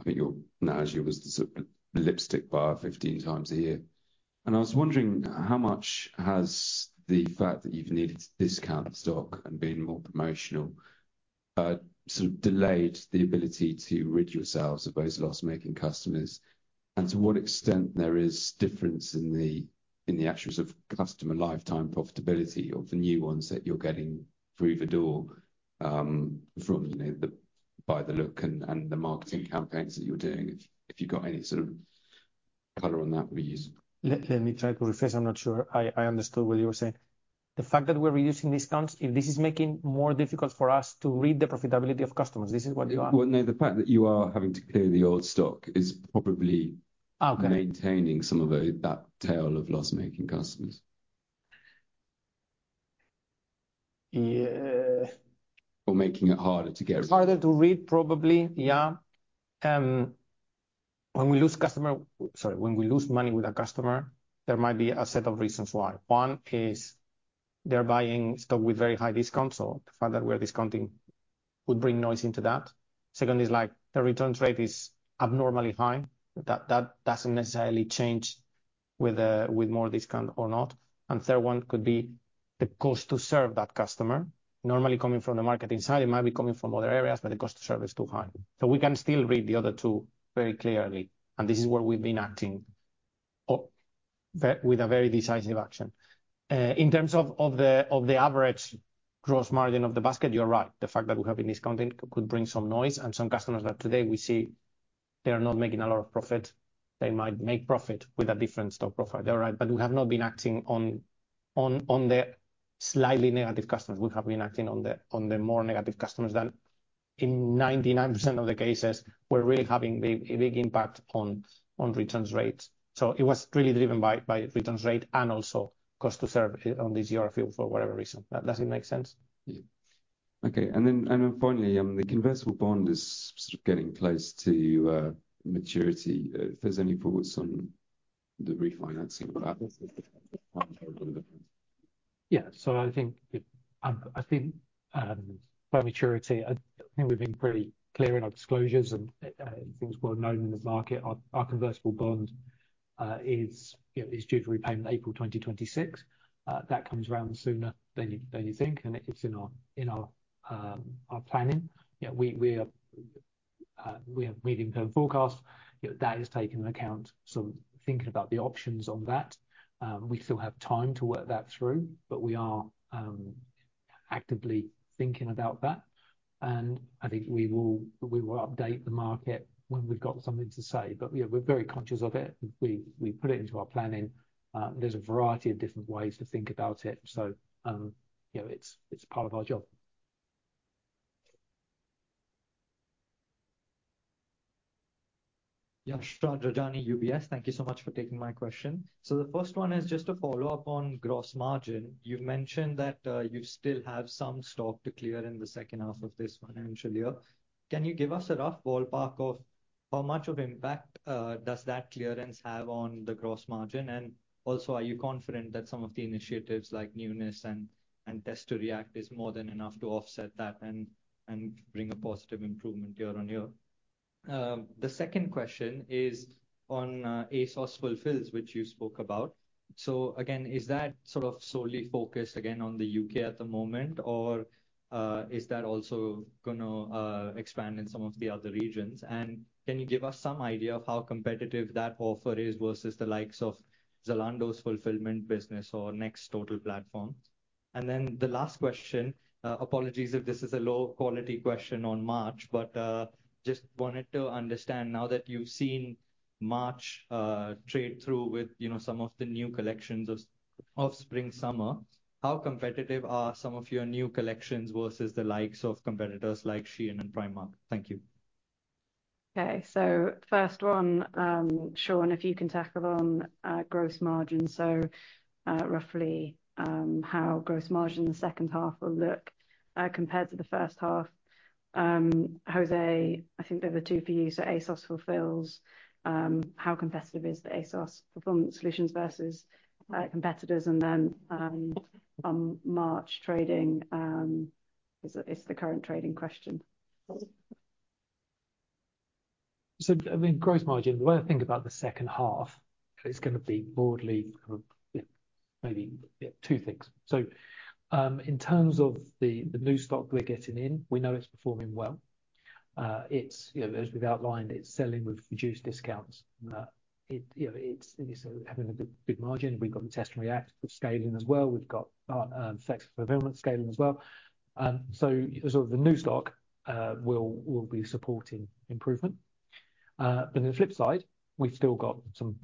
I think your analogy was the sort of lipstick buyer 15 times a year. And I was wondering how much has the fact that you've needed to discount stock and being more promotional sort of delayed the ability to rid yourselves of those loss-making customers? And to what extent there is difference in the actions of customer lifetime profitability of the new ones that you're getting through the door from, you know, the Buy the Look and the marketing campaigns that you're doing? If you've got any sort of color on that we use. Let me try to rephrase. I'm not sure I understood what you were saying. The fact that we're reducing discounts, if this is making more difficult for us to read the profitability of customers, this is what you are- Well, no, the fact that you are having to clear the old stock is probably- Okay. maintaining some of the, that tail of loss-making customers. Yeah. Or making it harder to get- It's harder to rid, probably. Yeah. When we lose customer, sorry, when we lose money with a customer, there might be a set of reasons why. One, is they're buying stock with very high discount, so the fact that we're discounting would bring noise into that. Second, is like, the returns rate is abnormally high. That, that doesn't necessarily change with, with more discount or not. And third one could be the cost to serve that customer. Normally coming from the market inside, it might be coming from other areas, but the cost to serve is too high. So we can still read the other two very clearly, and this is where we've been acting with a very decisive action. In terms of the average gross margin of the basket, you're right. The fact that we have been discounting could bring some noise and some customers that today we see they are not making a lot of profit. They might make profit with a different stock profile. They're right, but we have not been acting on the slightly negative customers. We have been acting on the more negative customers in more than 99% of the cases. We're really having a big impact on return rates. So it was really driven by return rate and also cost to serve in this year for whatever reason. Does it make sense? Yeah. Okay, and then finally, the convertible bond is sort of getting close to maturity. If there's any thoughts on the refinancing of that? Yeah. So I think by maturity, I think we've been pretty clear in our disclosures, and things well known in the market. Our convertible bond, you know, is due to repayment April 2026. That comes around sooner than you think, and it's in our planning. Yeah, we have medium-term forecast. You know, that has taken into account some thinking about the options on that. We still have time to work that through, but we are actively thinking about that, and I think we will update the market when we've got something to say. But, yeah, we're very conscious of it. We put it into our planning. There's a variety of different ways to think about it, so you know, it's part of our job. Yashraj Rajani, UBS, thank you so much for taking my question. So the first one is just a follow-up on gross margin. You've mentioned that you still have some stock to clear in the second half of this financial year. Can you give us a rough ballpark of how much of impact does that clearance have on the gross margin? And also, are you confident that some of the initiatives like newness and Test and React is more than enough to offset that and bring a positive improvement year on year? The second question is on ASOS Fulfils, which you spoke about. So again, is that sort of solely focused again on the U.K. at the moment, or is that also gonna expand in some of the other regions? Can you give us some idea of how competitive that offer is versus the likes of Zalando's fulfillment business or Next Total Platform? Then the last question, apologies if this is a low-quality question on March, but just wanted to understand, now that you've seen March trade through with, you know, some of the new collections of Spring/Summer, how competitive are some of your new collections versus the likes of competitors like Shein and Primark? Thank you. Okay, so first one, Sean, if you can tackle on gross margin. So, roughly, how gross margin in the second half will look compared to the first half. José, I think there were two for you, so ASOS Fulfilment Services, how competitive is the ASOS fulfillment solutions versus competitors? And then, on March trading, is the current trading question. So, I mean, gross margin, the way I think about the second half is gonna be broadly, maybe, yeah, two things. So, in terms of the new stock we're getting in, we know it's performing well. It's, you know, as we've outlined, it's selling with reduced discounts. It, you know, it's having a good, good margin. We've got Test and React with scaling as well. We've got AFS fulfillment scaling as well. So sort of the new stock will be supporting improvement. But the flip side, we've still got some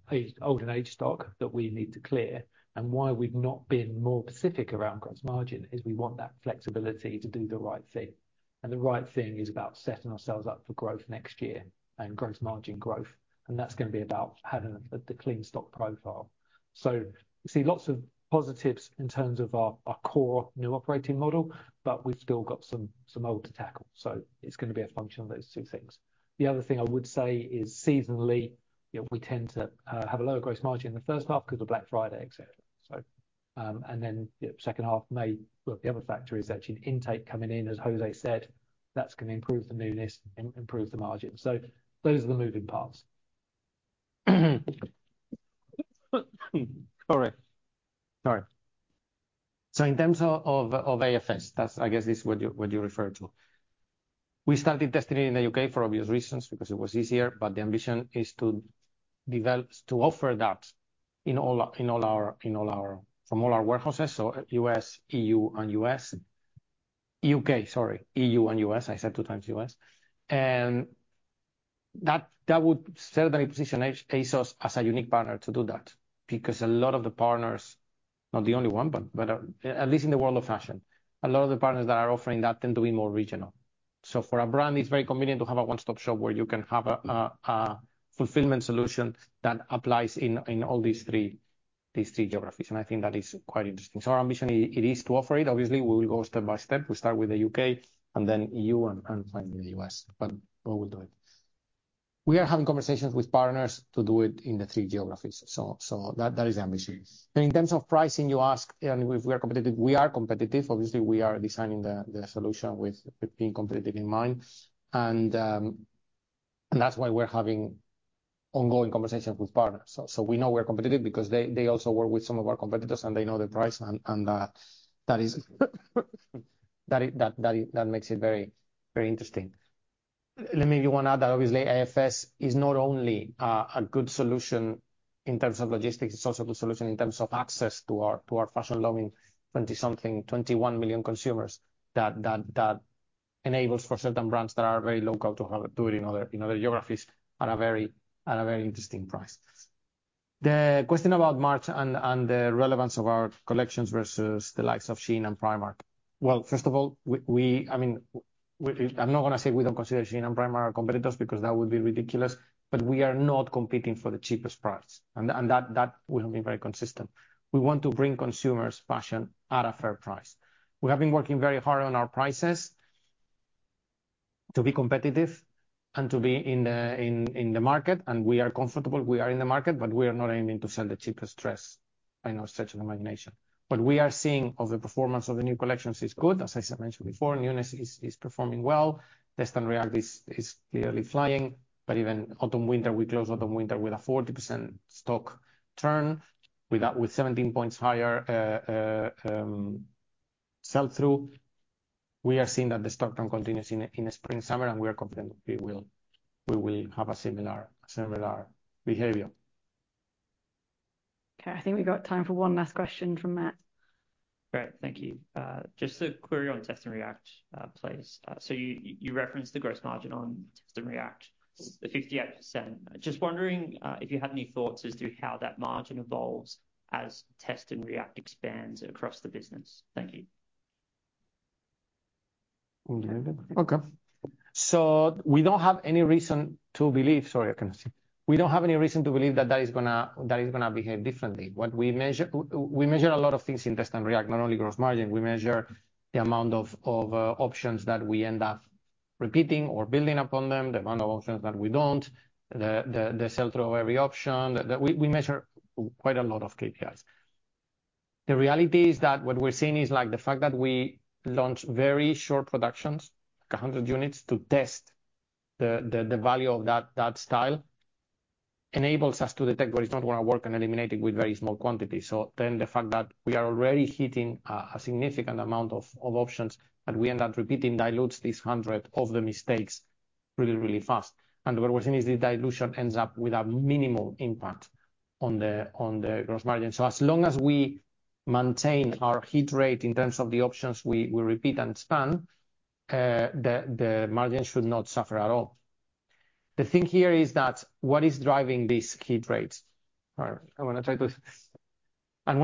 older age stock that we need to clear. And why we've not been more specific around gross margin is we want that flexibility to do the right thing. The right thing is about setting ourselves up for growth next year and gross margin growth, and that's gonna be about having the clean stock profile. So you see lots of positives in terms of our core new operating model, but we've still got some old to tackle. So it's gonna be a function of those two things. The other thing I would say is seasonally, you know, we tend to have a lower gross margin in the first half because of Black Friday, et cetera, so. Well, the other factor is actually intake coming in, as José said, that's gonna improve the newness and improve the margin. So those are the moving parts. All right. All right. So in terms of AFS, that's, I guess, this is what you refer to. We started testing in the U.K. for obvious reasons, because it was easier, but the ambition is to develop, to offer that in all our warehouses, so U.S, EU, and U.S. U.K, sorry, EU and U.S. I said two times U.S. And that would certainly position ASOS as a unique partner to do that, because a lot of the partners, not the only one, but at least in the world of fashion, a lot of the partners that are offering that tend to be more regional. So for a brand, it's very convenient to have a one-stop shop where you can have a fulfillment solution that applies in all these three geographies. I think that is quite interesting. Our ambition is to offer it. Obviously, we will go step by step. We start with the U.K. and then E.U., and finally the U.S., but we will do it. We are having conversations with partners to do it in the three geographies, so that is the ambition. In terms of pricing, you ask, and if we are competitive, we are competitive. Obviously, we are designing the solution with being competitive in mind, and that's why we're having ongoing conversations with partners. So we know we're competitive because they also work with some of our competitors, and they know the price, and that makes it very, very interesting. Let me just add, that obviously AFS is not only a good solution in terms of logistics, it's also a good solution in terms of access to our fashion-loving twenty-something 21 million consumers, that enables for certain brands that are very local to have to do it in other geographies at a very interesting price. The question about March and the relevance of our collections versus the likes of Shein and Primark. Well, first of all, I mean, I'm not gonna say we don't consider Shein and Primark our competitors, because that would be ridiculous, but we are not competing for the cheapest price, and that will be very consistent. We want to bring consumers fashion at a fair price. We have been working very hard on our prices to be competitive and to be in the market, and we are comfortable. We are in the market, but we are not aiming to sell the cheapest dress by no stretch of the imagination. What we are seeing of the performance of the new collections is good. As I mentioned before, newness is performing well. Test and React is clearly flying, but even autumn winter, we close autumn winter with a 40% stock turn. With that, with 17 points higher sell-through, we are seeing that the stock turn continues in the spring summer, and we are confident we will have a similar behavior.... Okay, I think we've got time for one last question from Matt. Great, thank you. Just a query on Test and React, please. So you referenced the gross margin on Test and React, the 58%. Just wondering, if you had any thoughts as to how that margin evolves as Test and React expands across the business? Thank you. Okay. So we don't have any reason to believe... Sorry, I cannot see. We don't have any reason to believe that that is gonna, that is gonna behave differently. What we measure, we measure a lot of things in Test and React, not only gross margin. We measure the amount of options that we end up repeating or building upon them, the amount of options that we don't, the sell-through of every option. That we measure quite a lot of KPIs. The reality is that what we're seeing is, like, the fact that we launch very short productions, like 100 units, to test the value of that style, enables us to detect what is not gonna work and eliminate it with very small quantity. The fact that we are already hitting a significant amount of options that we end up repeating dilutes the hundreds of mistakes really, really fast. What we're seeing is the dilution ends up with a minimal impact on the gross margin. As long as we maintain our hit rate in terms of the options we repeat and expand, the margin should not suffer at all. The thing here is that what is driving these hit rates? One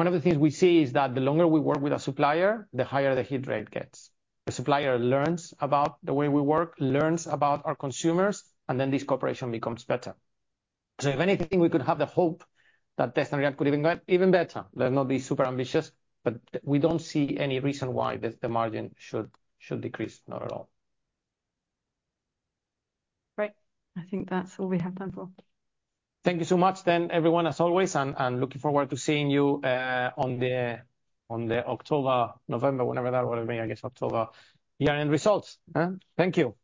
of the things we see is that the longer we work with a supplier, the higher the hit rate gets. The supplier learns about the way we work, learns about our consumers, and then this cooperation becomes better. So if anything, we could have the hope that Test and React could even go even better. Let's not be super ambitious, but we don't see any reason why the margin should decrease. Not at all. Great. I think that's all we have time for. Thank you so much then, everyone, as always, and looking forward to seeing you on the October, November, whenever that will be, I guess, October year-end results, huh? Thank you.